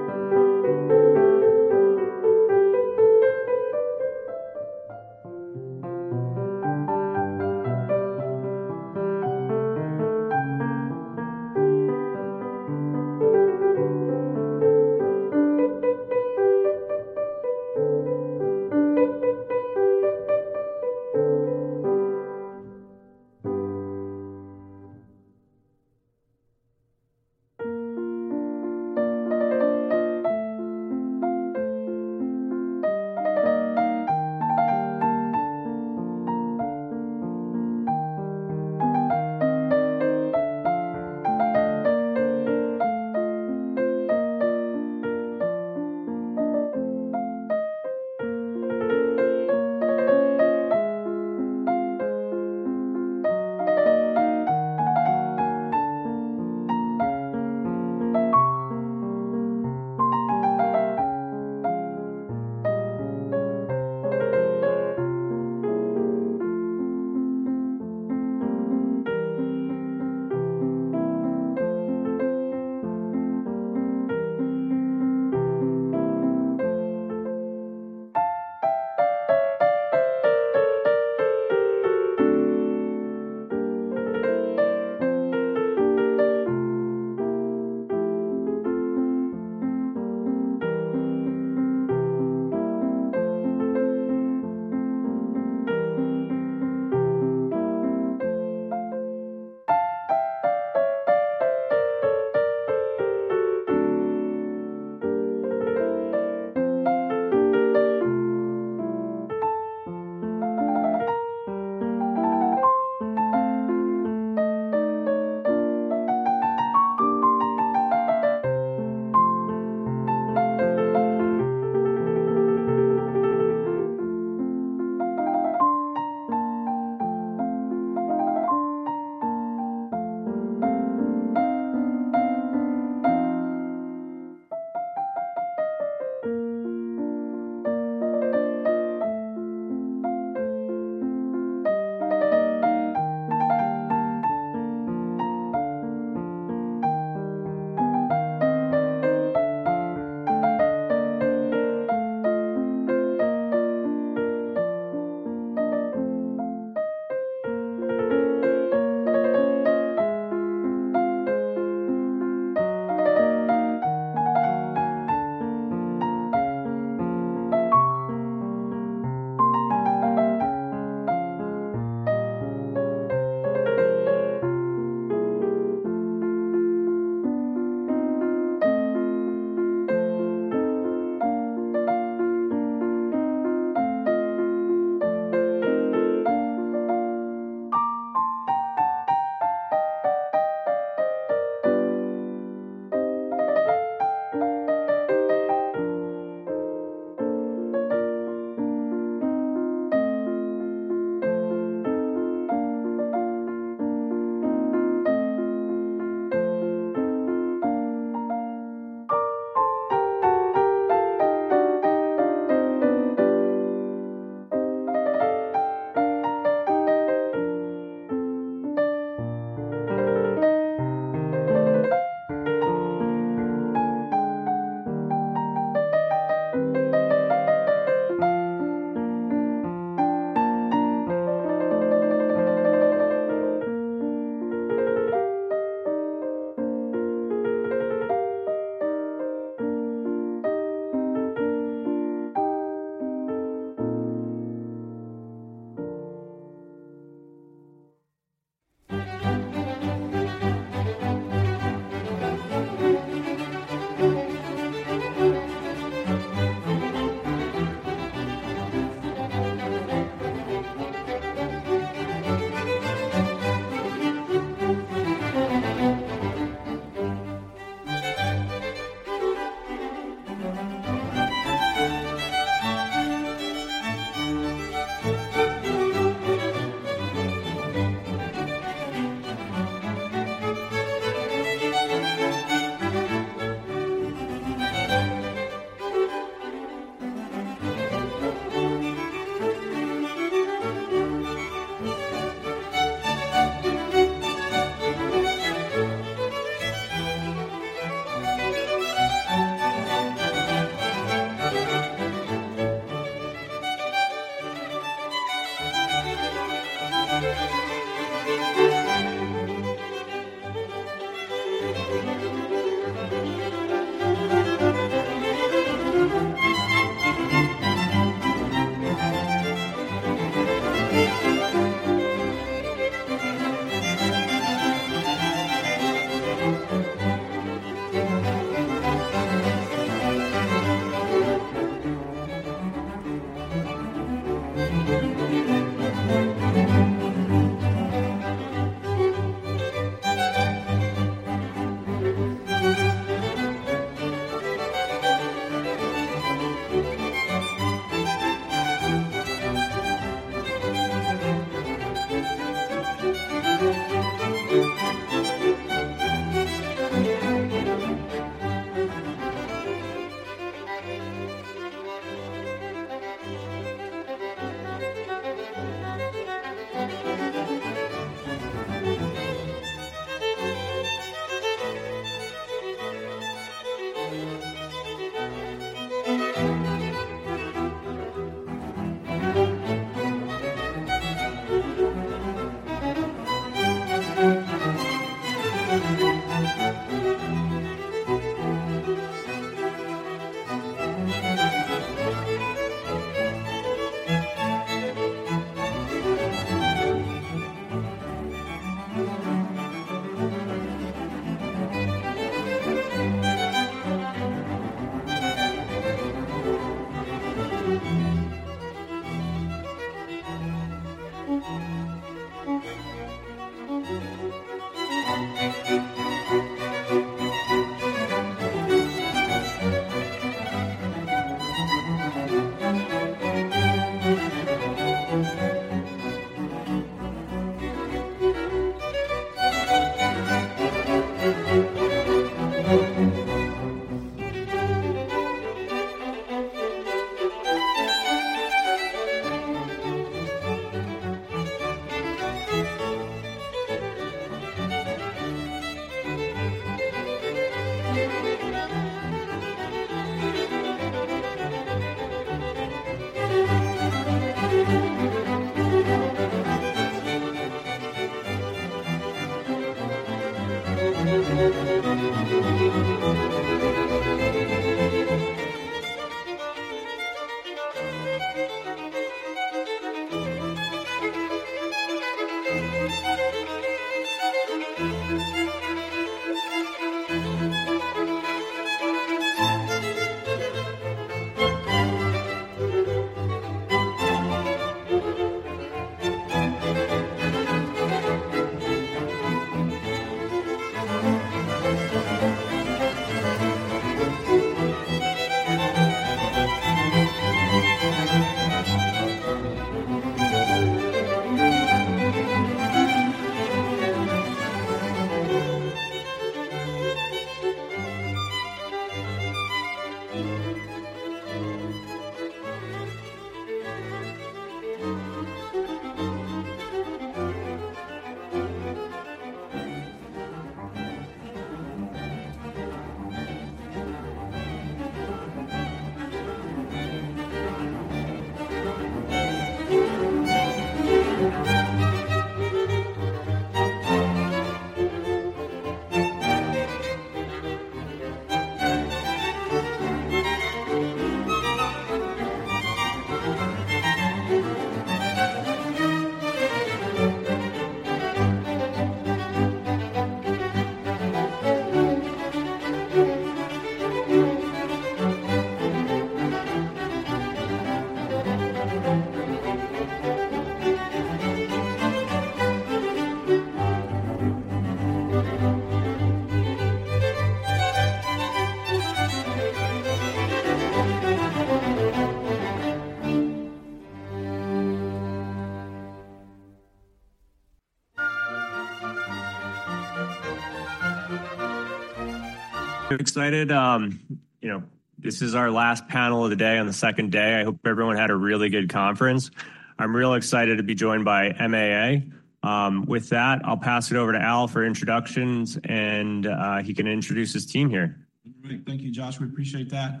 excited. You know, this is our last panel of the day on the second day. I hope everyone had a really good conference. I'm real excited to be joined by MAA. With that, I'll pass it over to Al for introductions, and he can introduce his team here. Great. Thank you, Josh. We appreciate that.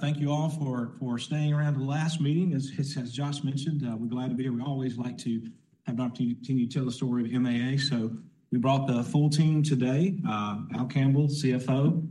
Thank you all for staying around the last meeting. As Josh mentioned, we're glad to be here. We always like to have an opportunity to tell the story of MAA. So we brought the full team today. Al Campbell, CFO.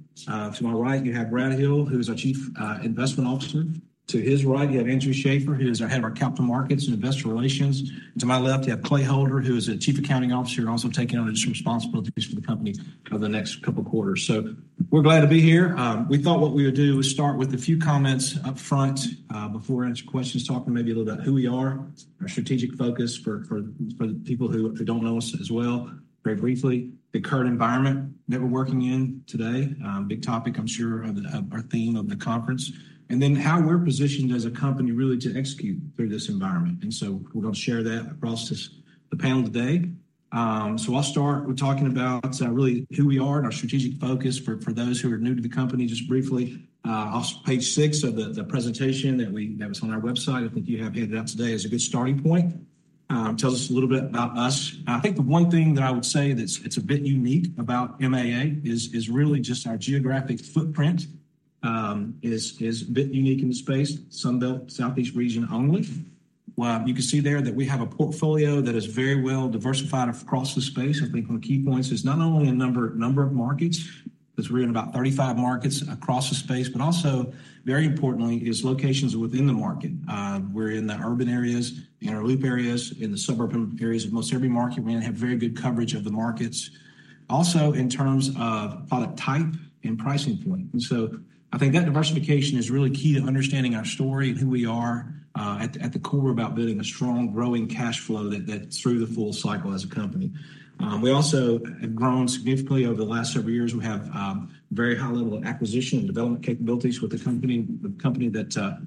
To my right, you have Brad Hill, who is our Chief Investment Officer. To his right, you have Andrew Schaeffer, who is our head of our Capital Markets and Investor Relations. To my left, you have Clay Holder, who is the Chief Accounting Officer, and also taking on some responsibilities for the company over the next couple of quarters. So we're glad to be here. We thought what we would do is start with a few comments up front before we answer questions, talking maybe a little about who we are, our strategic focus for the people who don't know us as well. Very briefly, the current environment that we're working in today, big topic, I'm sure, of our theme of the conference, and then how we're positioned as a company, really, to execute through this environment. We're going to share that across the panel today. So I'll start with talking about really who we are and our strategic focus for those who are new to the company. Just briefly, on page six of the presentation that was on our website, I think you have handed out today, is a good starting point. It tells us a little bit about us. I think the one thing that I would say that's, it's a bit unique about MAA is really just our geographic footprint. is a bit unique in the space. Sunbelt Southeast region only. Well, you can see there that we have a portfolio that is very well diversified across the space. I think one of the key points is not only a number of markets, because we're in about 35 markets across the space, but also very importantly, is locations within the market. We're in the urban areas, the inner loop areas, in the suburban areas of most every market, we have very good coverage of the markets. Also in terms of product type and pricing point. And so I think that diversification is really key to understanding our story and who we are, at the core about building a strong growing cash flow that through the full cycle as a company. We also have grown significantly over the last several years. We have very high level of acquisition and development capabilities with the company that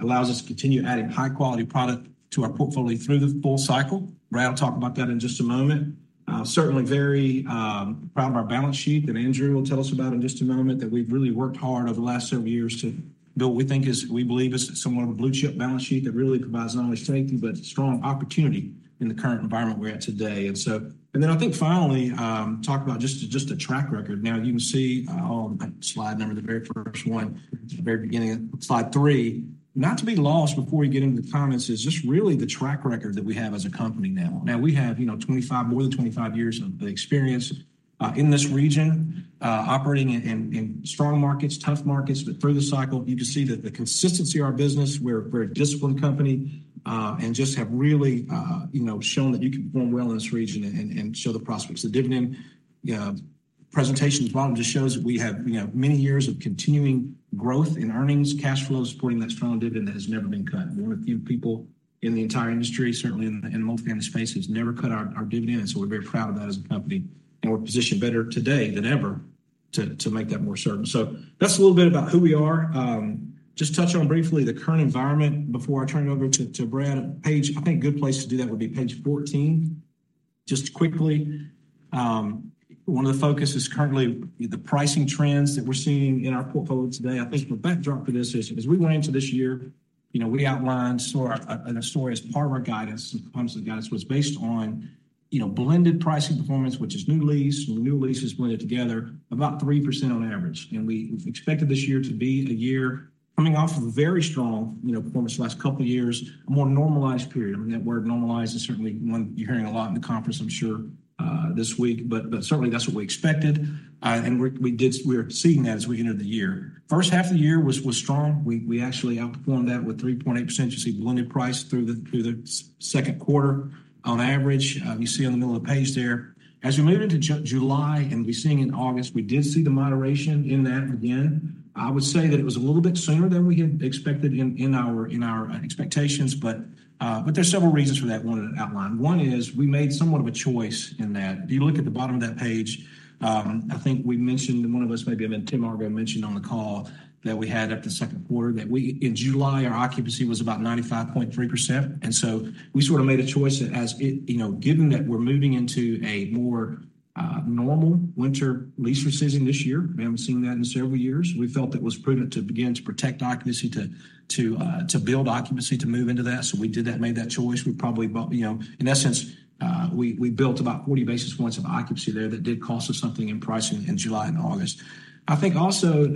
allows us to continue adding high quality product to our portfolio through the full cycle. Brad will talk about that in just a moment. Certainly very proud of our balance sheet, that Andrew will tell us about in just a moment, that we've really worked hard over the last several years to build, what we think is, we believe is somewhat of a blue-chip balance sheet that really provides not only strength, but strong opportunity in the current environment we're at today. And so. And then I think finally talk about just the track record. Now, you can see on slide number, the very first one, the very beginning of slide three. Not to be lost before we get into the comments is just really the track record that we have as a company now. Now we have, you know, 25, more than 25 years of experience in this region operating in strong markets, tough markets. Through the cycle, you can see that the consistency of our business. We're a disciplined company, and just have really, you know, shown that you can perform well in this region and show the prospects. The dividend presentation at the bottom just shows that we have, you know, many years of continuing growth in earnings, cash flows, supporting that strong dividend that has never been cut. We're one of few people in the entire industry, certainly in the multifamily space, has never cut our dividend. And so we're very proud of that as a company, and we're positioned better today than ever to make that more certain. So that's a little bit about who we are. Just touch on briefly the current environment before I turn it over to Brad. Page, I think a good place to do that would be page 14. Just quickly, one of the focuses is currently the pricing trends that we're seeing in our portfolio today. I think the backdrop for this is as we went into this year, you know, we outlined so, a story as part of our guidance, and part of the guidance was based on, you know, blended pricing performance, which is new lease. New leases blended together about 3% on average, and we expected this year to be a year coming off of a very strong, you know, performance the last couple of years, a more normalized period. I mean, that word normalized is certainly one you're hearing a lot in the conference, I'm sure, this week, but certainly that's what we expected. And we're seeing that as we entered the year. First half of the year was strong. We actually outperformed that with 3.8%. You see blended price through the second quarter. On average, you see on the middle of the page there. As we move into July and we're seeing in August, we did see the moderation in that again. I would say that it was a little bit sooner than we had expected in our expectations, but there's several reasons for that I wanted to outline. One is we made somewhat of a choice in that. If you look at the bottom of that page, I think we mentioned, one of us, maybe even Tim Argo, mentioned on the call that we had after the second quarter, that we, in July, our occupancy was about 95.3%. So we sort of made a choice as it, you know, given that we're moving into a more normal winter lease season this year, we haven't seen that in several years. We felt it was prudent to begin to protect occupancy, to build occupancy, to move into that. So we did that, made that choice. We probably built, you know, in essence, we built about 40 basis points of occupancy there that did cost us something in pricing in July and August. I think also,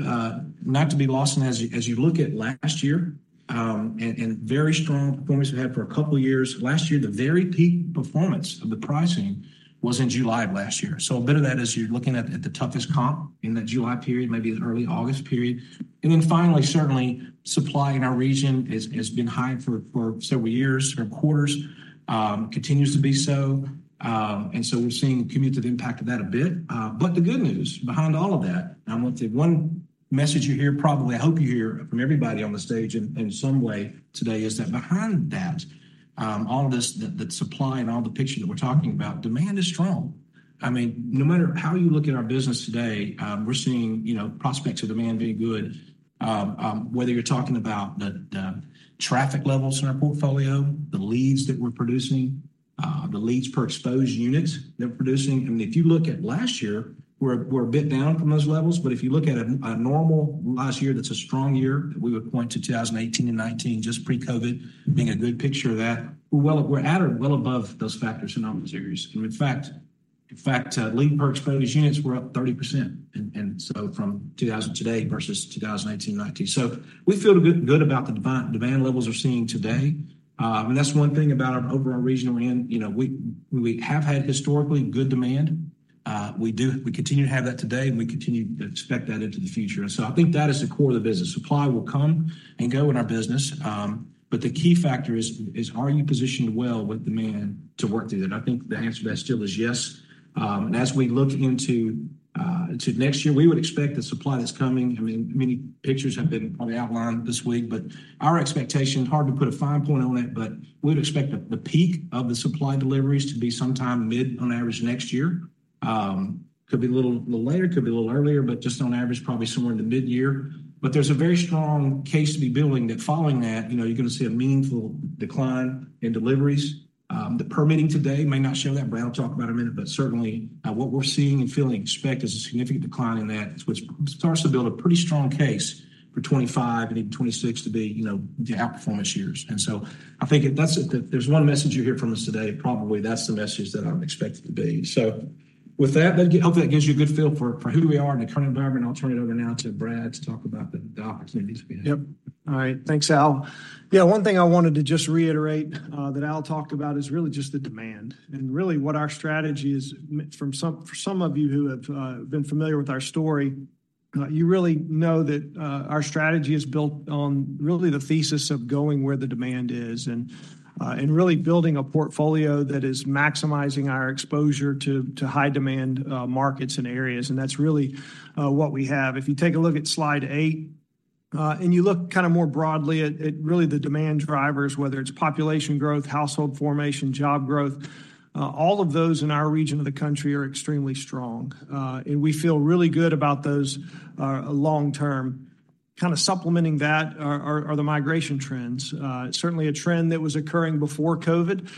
not to be lost, and as you look at last year, and very strong performance we've had for a couple of years. Last year, the very peak performance of the pricing was in July of last year. So a bit of that as you're looking at the toughest comp in that July period, maybe the early August period. And then finally, certainly, supply in our region has been high for several years, several quarters, continues to be so, and so we're seeing cumulative impact of that a bit. But the good news behind all of that, and I want the one message you hear, probably, I hope you hear from everybody on the stage in some way today, is that behind that, all this, the supply and all the picture that we're talking about, demand is strong. I mean, no matter how you look at our business today, we're seeing, you know, prospects of demand being good. Whether you're talking about the traffic levels in our portfolio, the leads that we're producing, the leads per exposed units that we're producing. I mean, if you look at last year, we're a bit down from those levels, but if you look at a normal last year, that's a strong year, we would point to 2018 and 2019, just pre-COVID, being a good picture of that. Well, we're at or well above those factors in series. In fact, lead per exposed units were up 30%, and so from 2023 today versus 2018 and 2019. So we feel good about the demand levels we're seeing today. And that's one thing about our overall region we're in. You know, we have had historically good demand. We continue to have that today, and we continue to expect that into the future. And so I think that is the core of the business. Supply will come and go in our business, but the key factor is are you positioned well with demand to work through that? I think the answer to that still is yes. As we look into to next year, we would expect the supply that's coming. I mean, many pictures have been probably outlined this week, but our expectation, hard to put a fine point on it, but we'd expect the peak of the supply deliveries to be sometime mid- on average next year. Could be a little later, could be a little earlier, but just on average, probably somewhere in the mid-year. But there's a very strong case to be building that following that, you know, you're going to see a meaningful decline in deliveries. The permitting today may not show that. Brad will talk about it in a minute, but certainly, what we're seeing and feeling expect is a significant decline in that, which starts to build a pretty strong case for 2025 and even 2026 to be, you know, the outperformance years. I think if that's, if there's one message you hear from us today, probably that's the message that I would expect it to be. So with that, hopefully that gives you a good feel for who we are in the current environment. I'll turn it over now to Brad to talk about the opportunities we have. Yep. All right. Thanks, Al. Yeah, one thing I wanted to just reiterate that Al talked about is really just the demand and really what our strategy is. For some of you who have been familiar with our story, you really know that our strategy is built on really the thesis of going where the demand is, and really building a portfolio that is maximizing our exposure to high-demand markets and areas, and that's really what we have. If you take a look at slide eight, and you look kind of more broadly at really the demand drivers, whether it's population growth, household formation, job growth, all of those in our region of the country are extremely strong. And we feel really good about those long term. Kind of supplementing that are the migration trends. Certainly a trend that was occurring before COVID.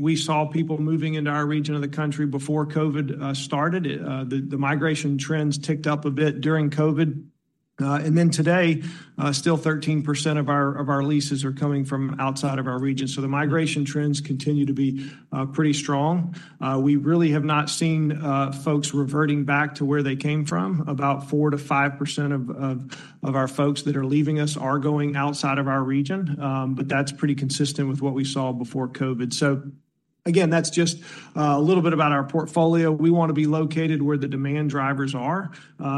We saw people moving into our region of the country before COVID started. The migration trends ticked up a bit during COVID. And then today, still 13% of our leases are coming from outside of our region. So the migration trends continue to be pretty strong. We really have not seen folks reverting back to where they came from. About 4%-5% of our folks that are leaving us are going outside of our region. But that's pretty consistent with what we saw before COVID. So again, that's just a little bit about our portfolio. We want to be located where the demand drivers are.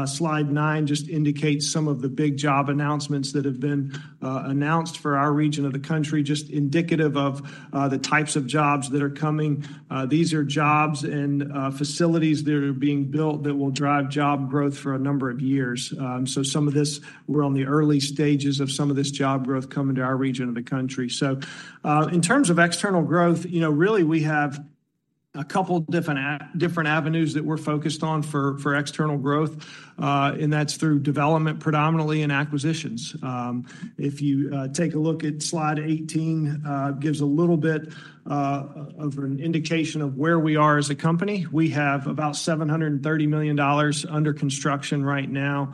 Slide nine just indicates some of the big job announcements that have been announced for our region of the country, just indicative of the types of jobs that are coming. These are jobs and facilities that are being built that will drive job growth for a number of years. So some of this, we're on the early stages of some of this job growth coming to our region of the country. So, in terms of external growth, you know, really we have a couple different avenues that we're focused on for external growth, and that's through development, predominantly in acquisitions. If you take a look at slide 18, gives a little bit of an indication of where we are as a company. We have about $730 million under construction right now.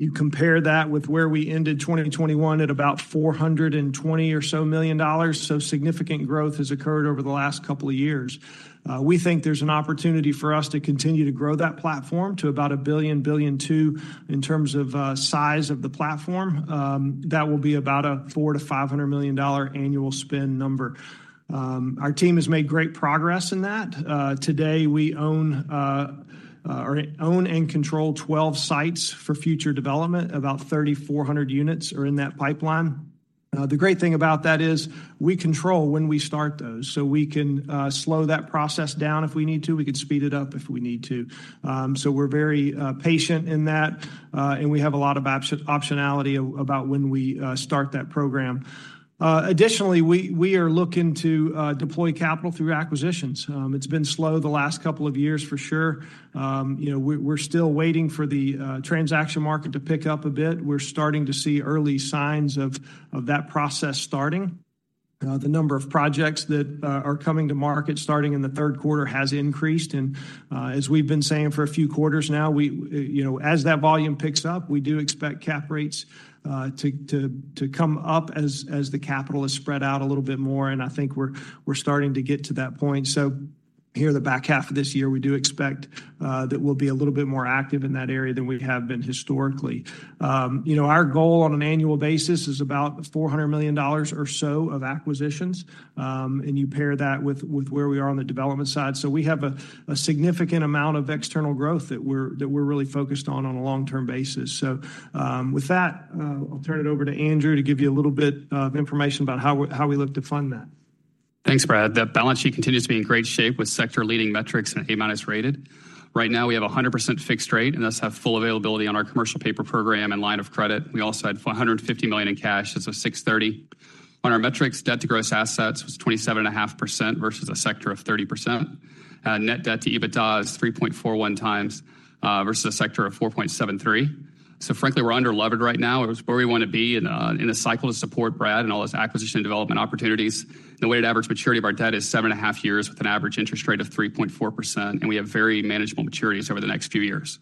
You compare that with where we ended 2021 at about $420 million or so. So significant growth has occurred over the last couple of years. We think there's an opportunity for us to continue to grow that platform to about $1 billion-$1.2 billion in terms of size of the platform. That will be about a $400 million-$500 million annual spend number. Our team has made great progress in that. Today, we own and control 12 sites for future development. About 3,400 units are in that pipeline. The great thing about that is we control when we start those, so we can slow that process down if we need to. We can speed it up if we need to. So we're very patient in that, and we have a lot of optionality about when we start that program. Additionally, we are looking to deploy capital through acquisitions. It's been slow the last couple of years for sure. You know, we're still waiting for the transaction market to pick up a bit. We're starting to see early signs of that process starting. The number of projects that are coming to market starting in the third quarter has increased. And as we've been saying for a few quarters now, you know, as that volume picks up, we do expect cap rates to come up as the capital is spread out a little bit more, and I think we're starting to get to that point. So here in the back half of this year, we do expect that we'll be a little bit more active in that area than we have been historically. You know, our goal on an annual basis is about $400 million or so of acquisitions. And you pair that with where we are on the development side. So we have a significant amount of external growth that we're really focused on on a long-term basis. So, with that, I'll turn it over to Andrew to give you a little bit of information about how we look to fund that. Thanks, Brad. The balance sheet continues to be in great shape with sector-leading metrics, and A-minus rated. Right now, we have 100% fixed rate, and thus have full availability on our commercial paper program and line of credit. We also had $150 million in cash, as of 6/30/2023. On our metrics, debt to gross assets was 27.5% versus a sector of 30%. Net debt to EBITDA is 3.41x versus a sector of 4.73. So frankly, we're underlevered right now, it's where we want to be in a, in a cycle to support Brad and all his acquisition and development opportunities. The weighted average maturity of our debt is 7.5 years, with an average interest rate of 3.4%, and we have very manageable maturities over the next few years.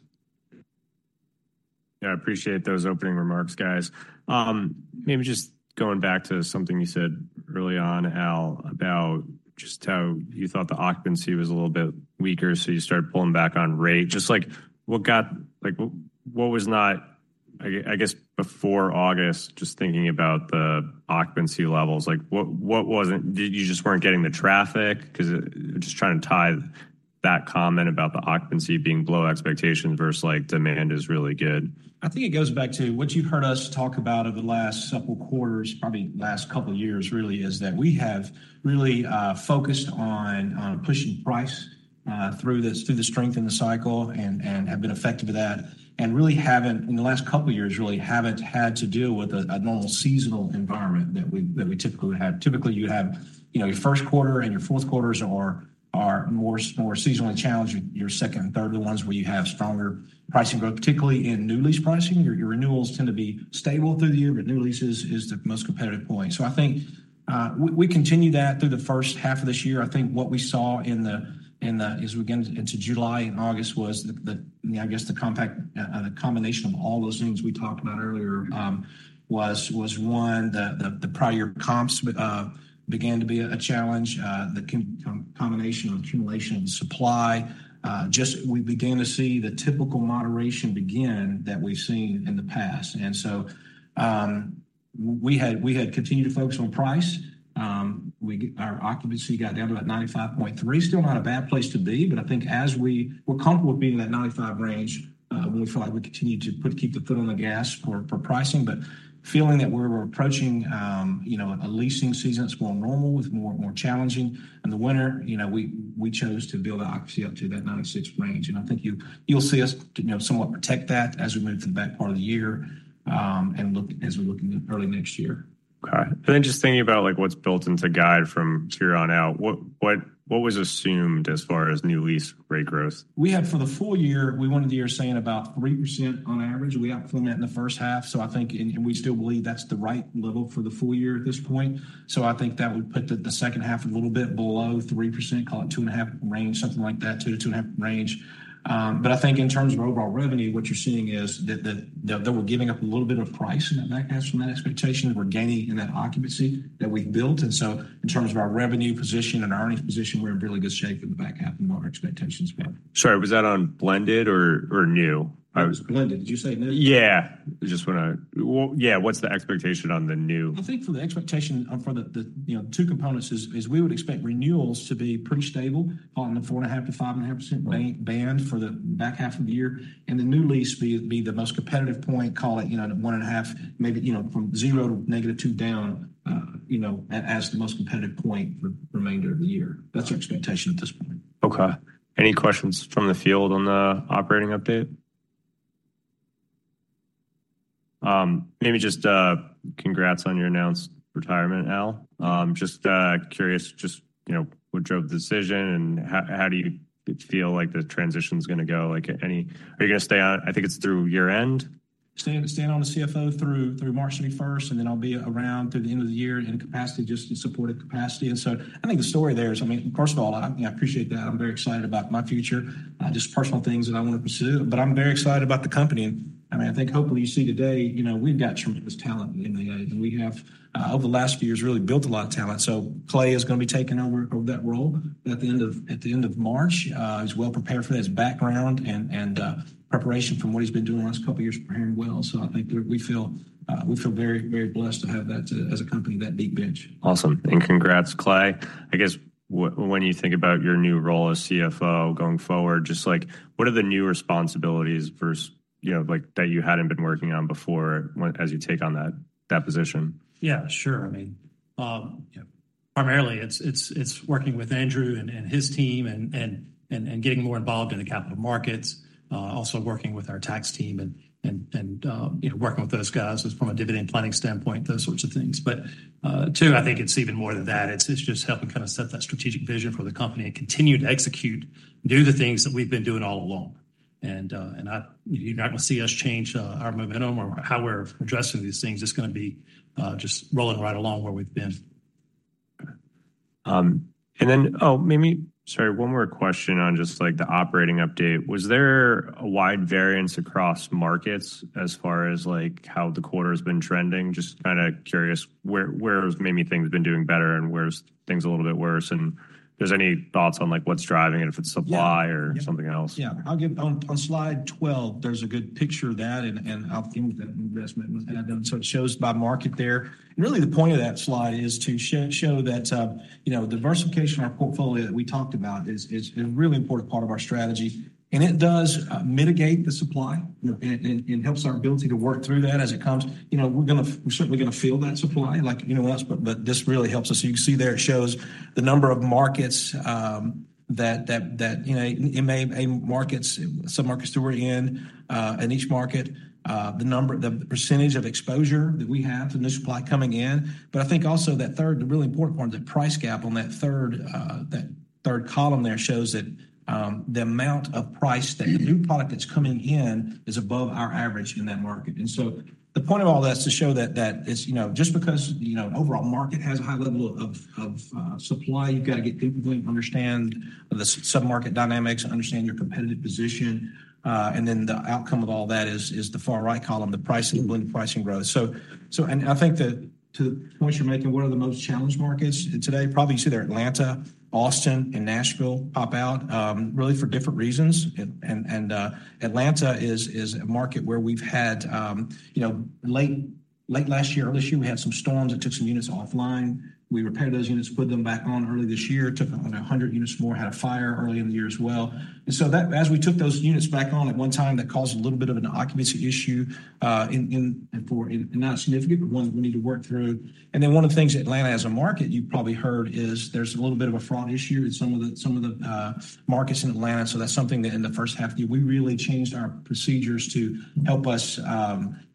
Yeah, I appreciate those opening remarks, guys. Maybe just going back to something you said early on, Al, about just how you thought the occupancy was a little bit weaker, so you started pulling back on rate. Just like, what—like, what wasn't. I guess, before August, just thinking about the occupancy levels, like, what wasn't. Did you just weren't getting the traffic? 'Cause, just trying to tie that comment about the occupancy being below expectations versus, like, demand is really good. I think it goes back to what you've heard us talk about over the last several quarters, probably last couple of years, really, is that we have really focused on pushing price through this, through the strength in the cycle and have been effective with that, and really haven't, in the last couple of years, really haven't had to deal with a normal seasonal environment that we typically would have. Typically, you would have, you know, your first quarter and your fourth quarters are more seasonally challenged, your second and third are the ones where you have stronger pricing growth, particularly in new lease pricing. Your renewals tend to be stable through the year, but new leases is the most competitive point. So I think we continued that through the first half of this year. I think what we saw as we get into July and August was the, I guess, the impact, the combination of all those things we talked about earlier, was one. The prior comps began to be a challenge, the combination of accumulation and supply. Just, we began to see the typical moderation begin that we've seen in the past. And so, we had continued to focus on price. Our occupancy got down to about 95.3%. Still not a bad place to be, but I think as we, we're comfortable with being in that 95% range. We feel like we continued to put keep the foot on the gas for pricing, but feeling that we're approaching, you know, a leasing season that's more normal, with more challenging. In the winter, you know, we chose to build our occupancy up to that 96 range, and I think you'll see us, you know, somewhat protect that as we move to the back part of the year, and as we look into early next year. Okay. And then just thinking about, like, what's built into guide from here on out, what was assumed as far as new lease rate growth? We had for the full year, we were saying about 3% on average. We outperformed that in the first half, so I think, and we still believe that's the right level for the full year at this point. So I think that would put the second half a little bit below 3%, call it 2.5 range, something like that, 2-2.5 range. But I think in terms of overall revenue, what you're seeing is that we're giving up a little bit of price in the back half from that expectation, that we're gaining in that occupancy that we've built. And so in terms of our revenue position and our earning position, we're in really good shape in the back half than what our expectations were. Sorry, was that on blended or new? It was blended. Did you say new? Yeah. Well, yeah, what's the expectation on the new? I think for the expectation on the two components is we would expect renewals to be pretty stable on the 4.5%-5.5% range band for the back half of the year, and the new lease be the most competitive point, call it, you know, 1.5, maybe, you know, from 0 to -2 down, you know, as the most competitive point for the remainder of the year. That's our expectation at this point. Okay. Any questions from the field on the operating update? Maybe just congrats on your announced retirement, Al. Just curious, just, you know, what drove the decision and how do you feel like the transition's gonna go? Like, at any- are you gonna stay on? I think it's through year-end. Staying on as CFO through March 31st, and then I'll be around through the end of the year in a capacity, just in a supportive capacity. So I think the story there is, I mean, first of all, I appreciate that. I'm very excited about my future, just personal things that I want to pursue, but I'm very excited about the company. And, I mean, I think hopefully you see today, you know, we've got tremendous talent in MAA, and we have, over the last few years, really built a lot of talent. So Clay is gonna be taking over that role at the end of March. He's well prepared for that, his background and preparation from what he's been doing the last couple of years preparing well. So I think we feel, we feel very, very blessed to have that as a company, that deep bench. Awesome. And congrats, Clay. I guess, when you think about your new role as CFO going forward, just like, what are the new responsibilities versus, you know, like, that you hadn't been working on before when, as you take on that, that position? Yeah, sure. I mean, primarily, it's working with Andrew and his team, and getting more involved in the capital markets. Also working with our tax team and you know, working with those guys from a dividend planning standpoint, those sorts of things. But too, I think it's even more than that. It's just helping kind of set that strategic vision for the company and continue to execute, do the things that we've been doing all along. And you're not going to see us change our momentum or how we're addressing these things. It's gonna be just rolling right along where we've been. Oh, maybe, sorry, one more question on just, like, the operating update. Was there a wide variance across markets as far as, like, how the quarter has been trending? Just kinda curious where, where maybe things have been doing better and where's things a little bit worse, and if there's any thoughts on, like, what's driving it, if it's supply or something else. Yeah. I'll go on, on slide 12, there's a good picture of that, and I think that investment was done. So it shows by market there. And really, the point of that slide is to show that, you know, diversification in our portfolio that we talked about is a really important part of our strategy. And it does mitigate the supply, you know, and helps our ability to work through that as it comes. You know, we're certainly gonna feel that supply, like, you know us, but this really helps us. So you can see there, it shows the number of markets, some markets that we're in, in each market the percentage of exposure that we have to new supply coming in. But I think also that third, the really important one, the price gap on that third, that third column there shows that, the amount of price, the new product that's coming in is above our average in that market. And so the point of all that is to show that, that is, you know, just because, you know, overall market has a high level of, of, supply, you've got to get deeply understand the sub-market dynamics, understand your competitive position, and then the outcome of all that is, is the far right column, the price and blend pricing growth. So, so, and I think that to the point you're making, what are the most challenged markets today? Probably you see there, Atlanta, Austin, and Nashville pop out, really for different reasons. And, and, and, Atlanta is, is a market where we've had. You know, late last year, early this year, we had some storms that took some units offline. We repaired those units, put them back on early this year, took on 100 units more, had a fire early in the year as well. And so that, as we took those units back on at one time, that caused a little bit of an occupancy issue in Atlanta, not significant, but one that we need to work through. And then one of the things that Atlanta, as a market, you probably heard, is there's a little bit of a fraud issue in some of the markets in Atlanta. So that's something that in the first half of the year, we really changed our procedures to help us. It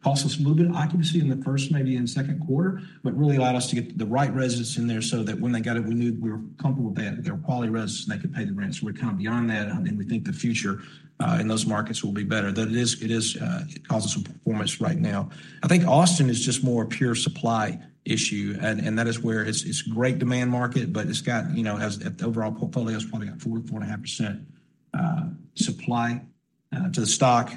cost us a little bit of occupancy in the first, maybe in the second quarter, but really allowed us to get the right residents in there so that when they got it, we knew we were comfortable that they were quality residents, and they could pay the rent. So we're kind of beyond that, and we think the future in those markets will be better. Though it is, it causes some performance right now. I think Austin is just more a pure supply issue, and that is where it's a great demand market, but it's got, you know, the overall portfolio is probably got 4%-4.5% supply to the stock.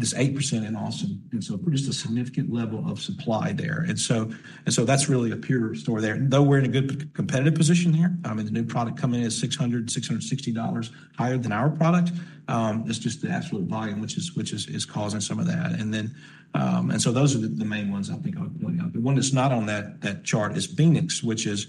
It's 8% in Austin, and so just a significant level of supply there. And so that's really a pure story there. Though we're in a good competitive position here, and the new product coming in is $660 higher than our product. It's just the absolute volume, which is causing some of that. And then, and so those are the main ones I think are going up. The one that's not on that chart is Phoenix, which is,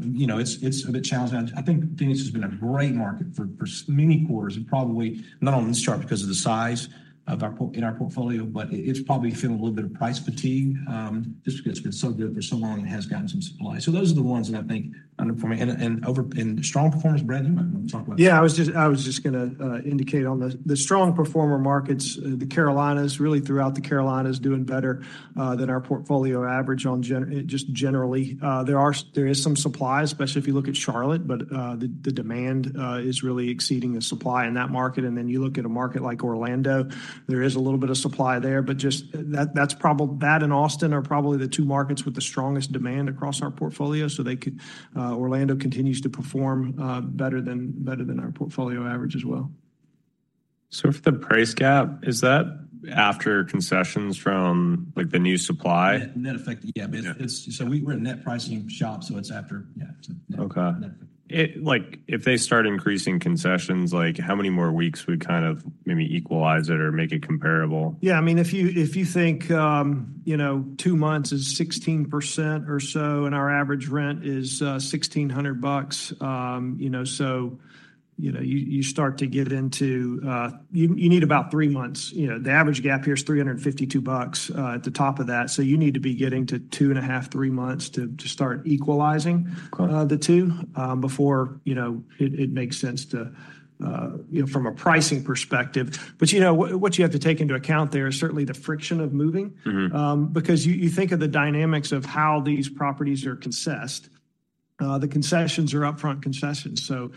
you know, it's a bit challenging. I think Phoenix has been a great market for many quarters, and probably not on this chart because of the size of our portfolio, but it's probably feeling a little bit of price fatigue just because it's been so good for so long and has gotten some supply. So those are the ones that I think underperforming. And over, and strong performers, Brad, you might want to talk about. Yeah, I was just gonna indicate on the strong performer markets, the Carolinas, really throughout the Carolinas, doing better than our portfolio average just generally. There is some supply, especially if you look at Charlotte, but the demand is really exceeding the supply in that market. And then you look at a market like Orlando, there is a little bit of supply there, but just that and Austin are probably the two markets with the strongest demand across our portfolio. So they could. Orlando continues to perform better than our portfolio average as well. So, if the price gap is that after concessions from, like, the new supply? Net effect, yeah. Yeah. It's so we're a net pricing shop, so it's after, yeah. Okay. Net. Like, if they start increasing concessions, like, how many more weeks would kind of maybe equalize it or make it comparable? Yeah, I mean, if you think, you know, two months is 16% or so, and our average rent is $1,600, you know, so, you start to get into, you need about three months. You know, the average gap here is $352 at the top of that. So you need to be getting to 2.5 months to three months to start equalizing- Okay the two, before, you know, it makes sense to, you know, from a pricing perspective. But, you know, what you have to take into account there is certainly the friction of moving. Mm-hmm. Because you think of the dynamics of how these properties are concessed. The concessions are upfront concessions, so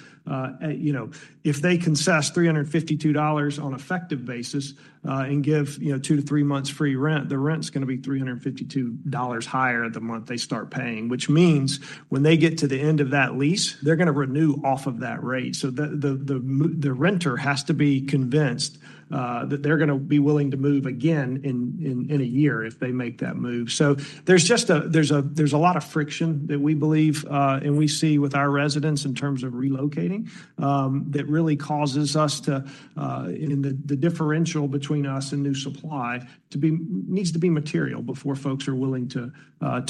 you know, if they concess $352 on effective basis, and give, you know, two to three months free rent, the rent's gonna be $352 higher the month they start paying. Which means when they get to the end of that lease, they're gonna renew off of that rate. So the renter has to be convinced that they're gonna be willing to move again in a year if they make that move. So there's just a lot of friction that we believe and we see with our residents in terms of relocating that really causes the differential between us and new supply to be needs to be material before folks are willing to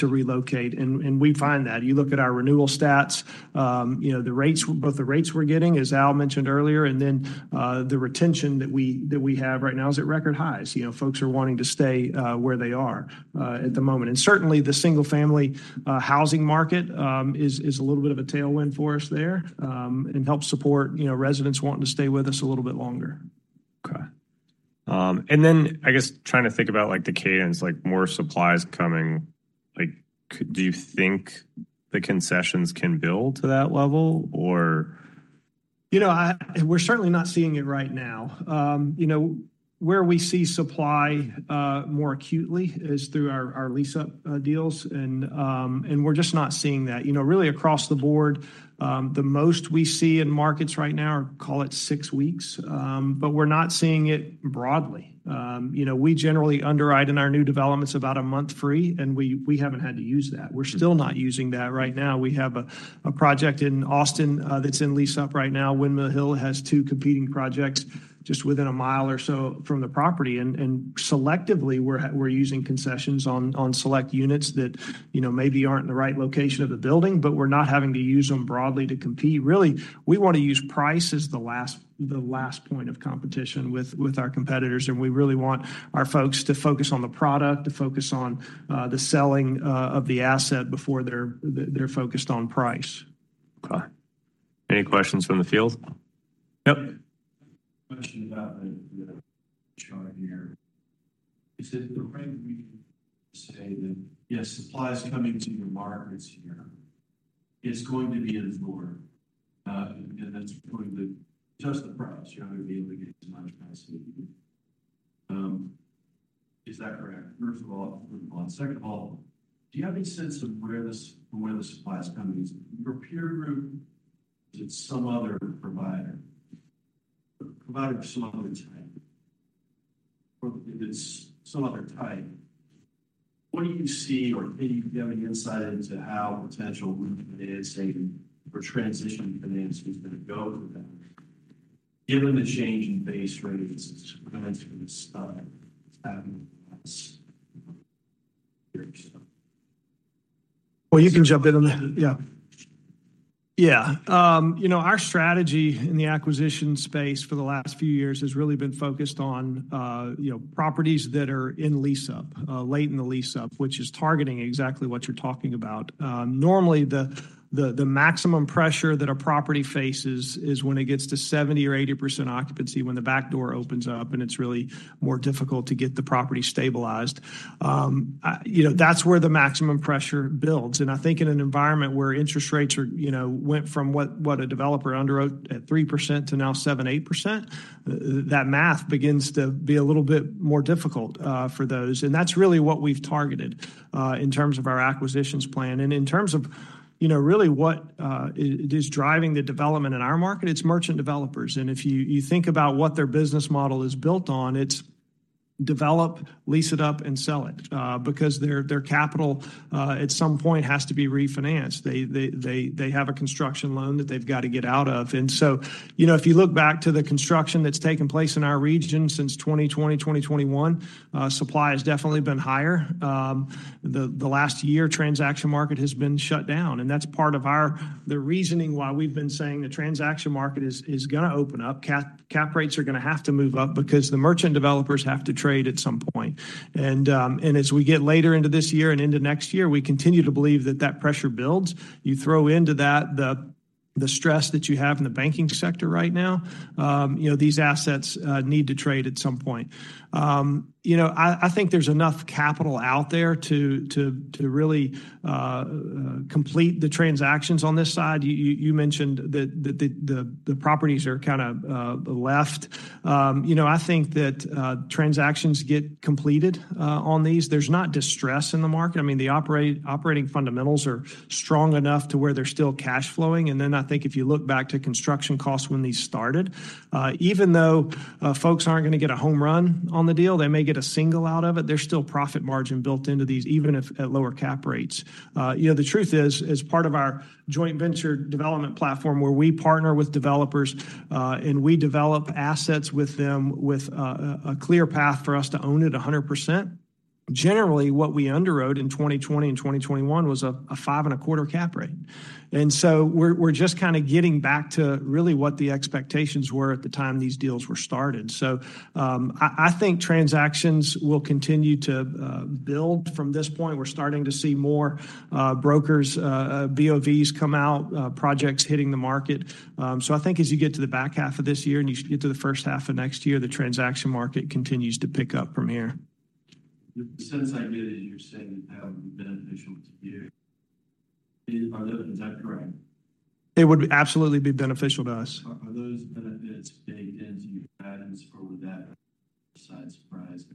relocate. And we find that. You look at our renewal stats, you know, the rates, both the rates we're getting, as Al mentioned earlier, and then the retention that we have right now is at record highs. You know, folks are wanting to stay where they are at the moment. And certainly, the single-family housing market is a little bit of a tailwind for us there and helps support, you know, residents wanting to stay with us a little bit longer. Okay. And then, I guess, trying to think about, like, the cadence, like, more supply is coming. Like, do you think the concessions can build to that level, or? You know, we're certainly not seeing it right now. You know, where we see supply more acutely is through our lease-up deals, and we're just not seeing that. You know, really across the board, the most we see in markets right now are, call it six weeks, but we're not seeing it broadly. You know, we generally underwrite in our new developments about a month free, and we haven't had to use that. Mm-hmm. We're still not using that right now. We have a project in Austin that's in lease-up right now. Windmill Hill has two competing projects just within a mile or so from the property, and selectively, we're using concessions on select units that, you know, maybe aren't in the right location of the building, but we're not having to use them broadly to compete. Really, we want to use price as the last point of competition with our competitors, and we really want our folks to focus on the product, to focus on the selling of the asset before they're focused on price. Okay. Any questions from the field? Yep. Question about the chart here. Is it appropriate to say that yes, supply is coming to your markets here, is going to be in more, and that's going to adjust the price. You're not going to be able to get as much price as you need. Is that correct, first of all? Second of all, do you have any sense of where the supply is coming? Is it your peer group, or is it some other provider of some other type, or if it's some other type? What do you see, or do you have any insight into how potential refinance saving or transition financing is going to go with that, given the change in base rates that's going to start happening last year or so? Well, you can jump in on that. Yeah. Yeah. You know, our strategy in the acquisition space for the last few years has really been focused on, you know, properties that are in lease-up, late in the lease-up, which is targeting exactly what you're talking about. Normally, the maximum pressure that a property faces is when it gets to 70 or 80% occupancy, when the back door opens up, and it's really more difficult to get the property stabilized. You know, that's where the maximum pressure builds, and I think in an environment where interest rates are, you know, went from what a developer underwrote at 3% to now 7-8%, that math begins to be a little bit more difficult for those. And that's really what we've targeted in terms of our acquisitions plan. In terms of, you know, really what is driving the development in our market, it's merchant developers. If you think about what their business model is built on, it's develop, lease it up, and sell it. Because their capital at some point has to be refinanced. They have a construction loan that they've got to get out of. So, you know, if you look back to the construction that's taken place in our region since 2020, 2021, supply has definitely been higher. The last year, transaction market has been shut down, and that's part of our, the reasoning why we've been saying the transaction market is gonna open up. Cap rates are gonna have to move up because the merchant developers have to trade at some point. As we get later into this year and into next year, we continue to believe that that pressure builds. You throw into that the stress that you have in the banking sector right now, you know, these assets need to trade at some point. You know, I think there's enough capital out there to really complete the transactions on this side. You mentioned that the properties are kinda left. You know, I think that transactions get completed on these. There's not distress in the market. I mean, the operating fundamentals are strong enough to where they're still cash flowing. And then I think if you look back to construction costs when these started, even though, folks aren't going to get a home run on the deal, they may get a single out of it, there's still profit margin built into these, even if at lower cap rates. You know, the truth is, as part of our joint venture development platform, where we partner with developers, and we develop assets with them, with a clear path for us to own it 100%, generally, what we underwrote in 2020 and 2021 was a 5.25 cap rate. So we're just kinda getting back to really what the expectations were at the time these deals were started. So, I think transactions will continue to build from this point. We're starting to see more brokers BOVs come out, projects hitting the market. So I think as you get to the back half of this year, and you get to the first half of next year, the transaction market continues to pick up from here. The sense I get is you're saying that would be beneficial to you. Is that correct? It would absolutely be beneficial to us. Are those benefits baked into your guidance, or would that be a nice surprise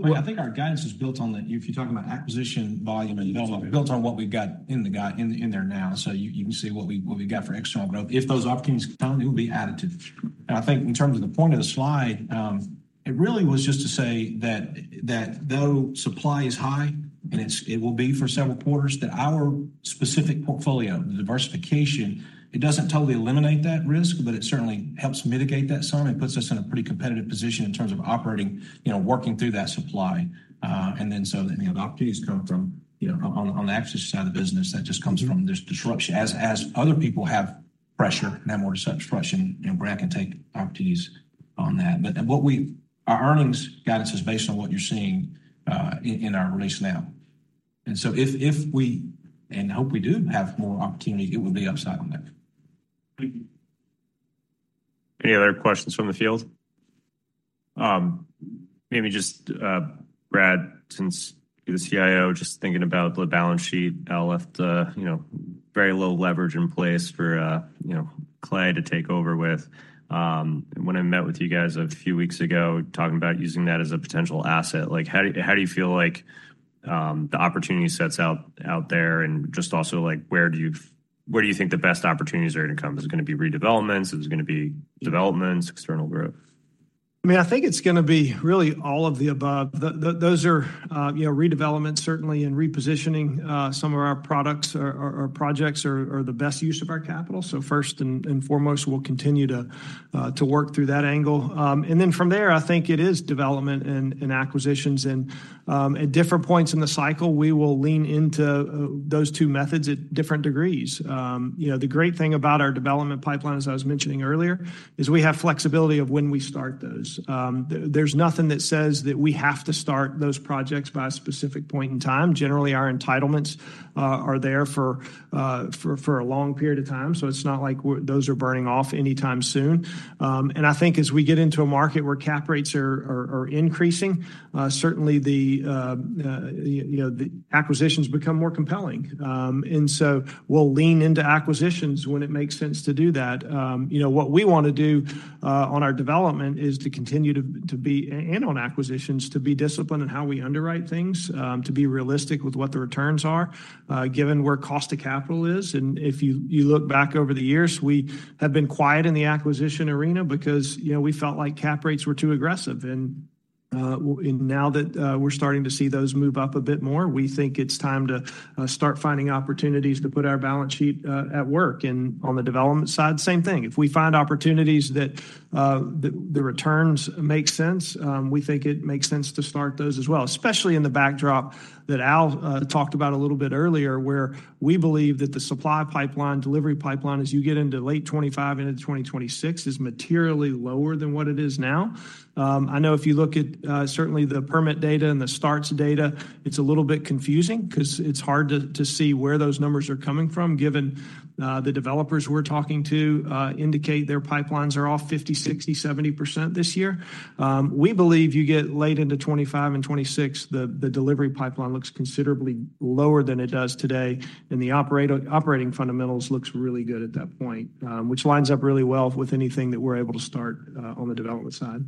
to me? Well, I think our guidance is built on that. If you're talking about acquisition volume, and built on what we've got in the pipeline now. So you can see what we've got for external growth. If those opportunities come, it will be added to. I think in terms of the point of the slide, it really was just to say that though supply is high, and it will be for several quarters, that our specific portfolio, the diversification, it doesn't totally eliminate that risk, but it certainly helps mitigate that some. It puts us in a pretty competitive position in terms of operating, you know, working through that supply. And then, so, you know, the opportunities come from, you know, on the asset side of the business, that just comes from this disruption. As other people have pressure, and then more such friction, and Brad can take opportunities on that. But what we, our earnings guidance is based on what you're seeing in our release now. And so if we and hope we do have more opportunity, it will be upside on that. Thank you. Any other questions from the field? Maybe just, Brad, since you're the CIO, just thinking about the balance sheet, Al left a, you know, very low leverage in place for, you know, Clay to take over with. When I met with you guys a few weeks ago, talking about using that as a potential asset, like, how do you feel like the opportunity sets out there? And just also, like, where do you think the best opportunities are going to come? Is it going to be redevelopments? Is it going to be developments, external growth? I mean, I think it's gonna be really all of the above. Those are, you know, redevelopments, certainly, and repositioning, some of our products or, or our projects are, are the best use of our capital. So first and, and foremost, we'll continue to, to work through that angle. And then from there, I think it is development and, and acquisitions, and, at different points in the cycle, we will lean into, those two methods at different degrees. You know, the great thing about our development pipeline, as I was mentioning earlier, is we have flexibility of when we start those. There, there's nothing that says that we have to start those projects by a specific point in time. Generally, our entitlements are there for a long period of time, so it's not like those are burning off anytime soon. And I think as we get into a market where cap rates are increasing, certainly you know, the acquisitions become more compelling. And so we'll lean into acquisitions when it makes sense to do that. You know, what we want to do on our development is to continue and on acquisitions, to be disciplined in how we underwrite things, to be realistic with what the returns are, given where cost of capital is. And if you look back over the years, we have been quiet in the acquisition arena because, you know, we felt like cap rates were too aggressive, and- well, and now that we're starting to see those move up a bit more, we think it's time to start finding opportunities to put our balance sheet at work. And on the development side, same thing. If we find opportunities that the returns make sense, we think it makes sense to start those as well, especially in the backdrop that Al talked about a little bit earlier, where we believe that the supply pipeline, delivery pipeline, as you get into late 2025 into 2026, is materially lower than what it is now. I know if you look at certainly the permit data and the starts data, it's a little bit confusing 'cause it's hard to see where those numbers are coming from, given the developers we're talking to indicate their pipelines are off 50%, 60%, 70% this year. We believe you get late into 2025 and 2026, the delivery pipeline looks considerably lower than it does today, and the operating fundamentals looks really good at that point, which lines up really well with anything that we're able to start on the development side.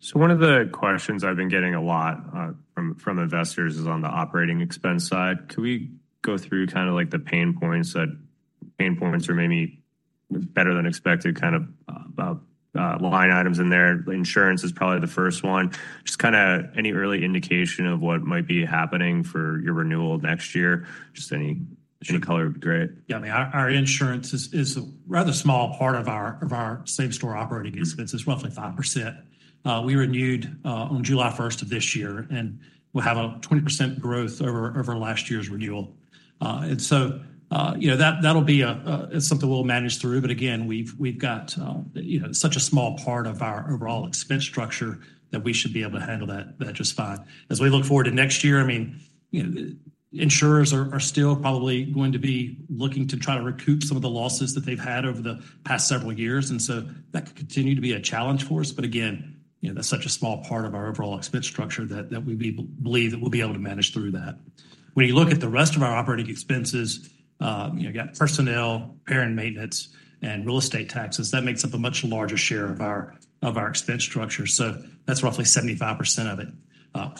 So one of the questions I've been getting a lot from investors is on the operating expense side. Can we go through kinda like the pain points or maybe better-than-expected kind of line items in there? Insurance is probably the first one. Just kinda any early indication of what might be happening for your renewal next year? Just any shade of color would be great. Yeah, I mean, our insurance is a rather small part of our same-store operating expenses, roughly 5%. We renewed on July first of this year, and we'll have a 20% growth over last year's renewal. And so, you know, that'll be something we'll manage through, but again, we've got, you know, such a small part of our overall expense structure that we should be able to handle that just fine. As we look forward to next year, I mean, you know, insurers are still probably going to be looking to try to recoup some of the losses that they've had over the past several years, and so that could continue to be a challenge for us. But again, you know, that's such a small part of our overall expense structure that we believe that we'll be able to manage through that. When you look at the rest of our operating expenses, you know, got personnel, repair and maintenance, and real estate taxes, that makes up a much larger share of our expense structure, so that's roughly 75% of it.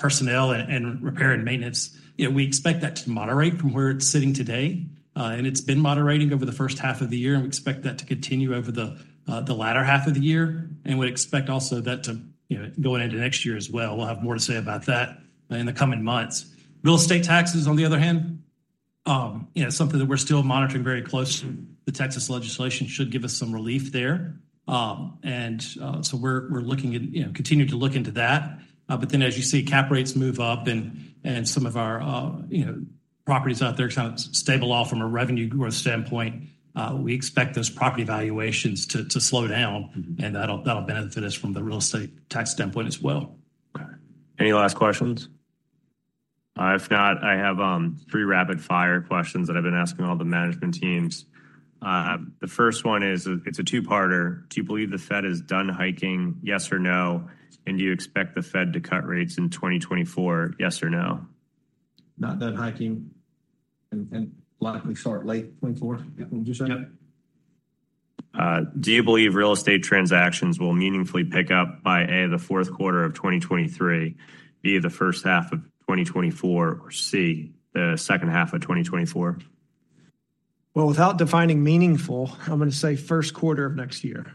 Personnel and repair and maintenance, you know, we expect that to moderate from where it's sitting today, and it's been moderating over the first half of the year, and we expect that to continue over the latter half of the year. And we expect also that to, you know, going into next year as well. We'll have more to say about that in the coming months. Real estate taxes, on the other hand, you know, something that we're still monitoring very closely. The Texas legislation should give us some relief there. So we're looking at, you know, continuing to look into that. But then as you see, cap rates move up, and some of our, you know, properties out there are stable off from a revenue growth standpoint. We expect those property valuations to slow down. Mm-hmm. That'll, that'll benefit us from the real estate tax standpoint as well. Okay. Any last questions? If not, I have three rapid-fire questions that I've been asking all the management teams. The first one is, it's a two-parter: Do you believe the Fed is done hiking, yes or no? And do you expect the Fed to cut rates in 2024, yes or no? Not done hiking, and likely start late 2024. Yeah, would you say? Yep. Do you believe real estate transactions will meaningfully pick up by, A, the fourth quarter of 2023, B, the first half of 2024, or C, the second half of 2024? Well, without defining meaningful, I'm gonna say first quarter of next year.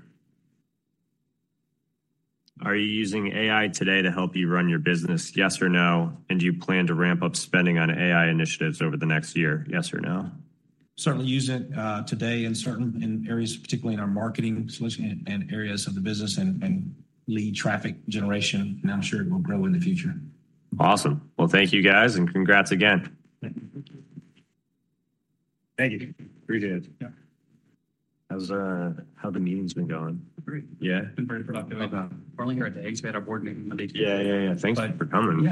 Are you using AI today to help you run your business, yes or no? And do you plan to ramp up spending on AI initiatives over the next year, yes or no? Certainly use it today in certain areas, particularly in our marketing solution and areas of the business and lead traffic generation, and I'm sure it will grow in the future. Awesome. Well, thank you, guys, and congrats again. Thank you. Thank you. Appreciate it. Yeah.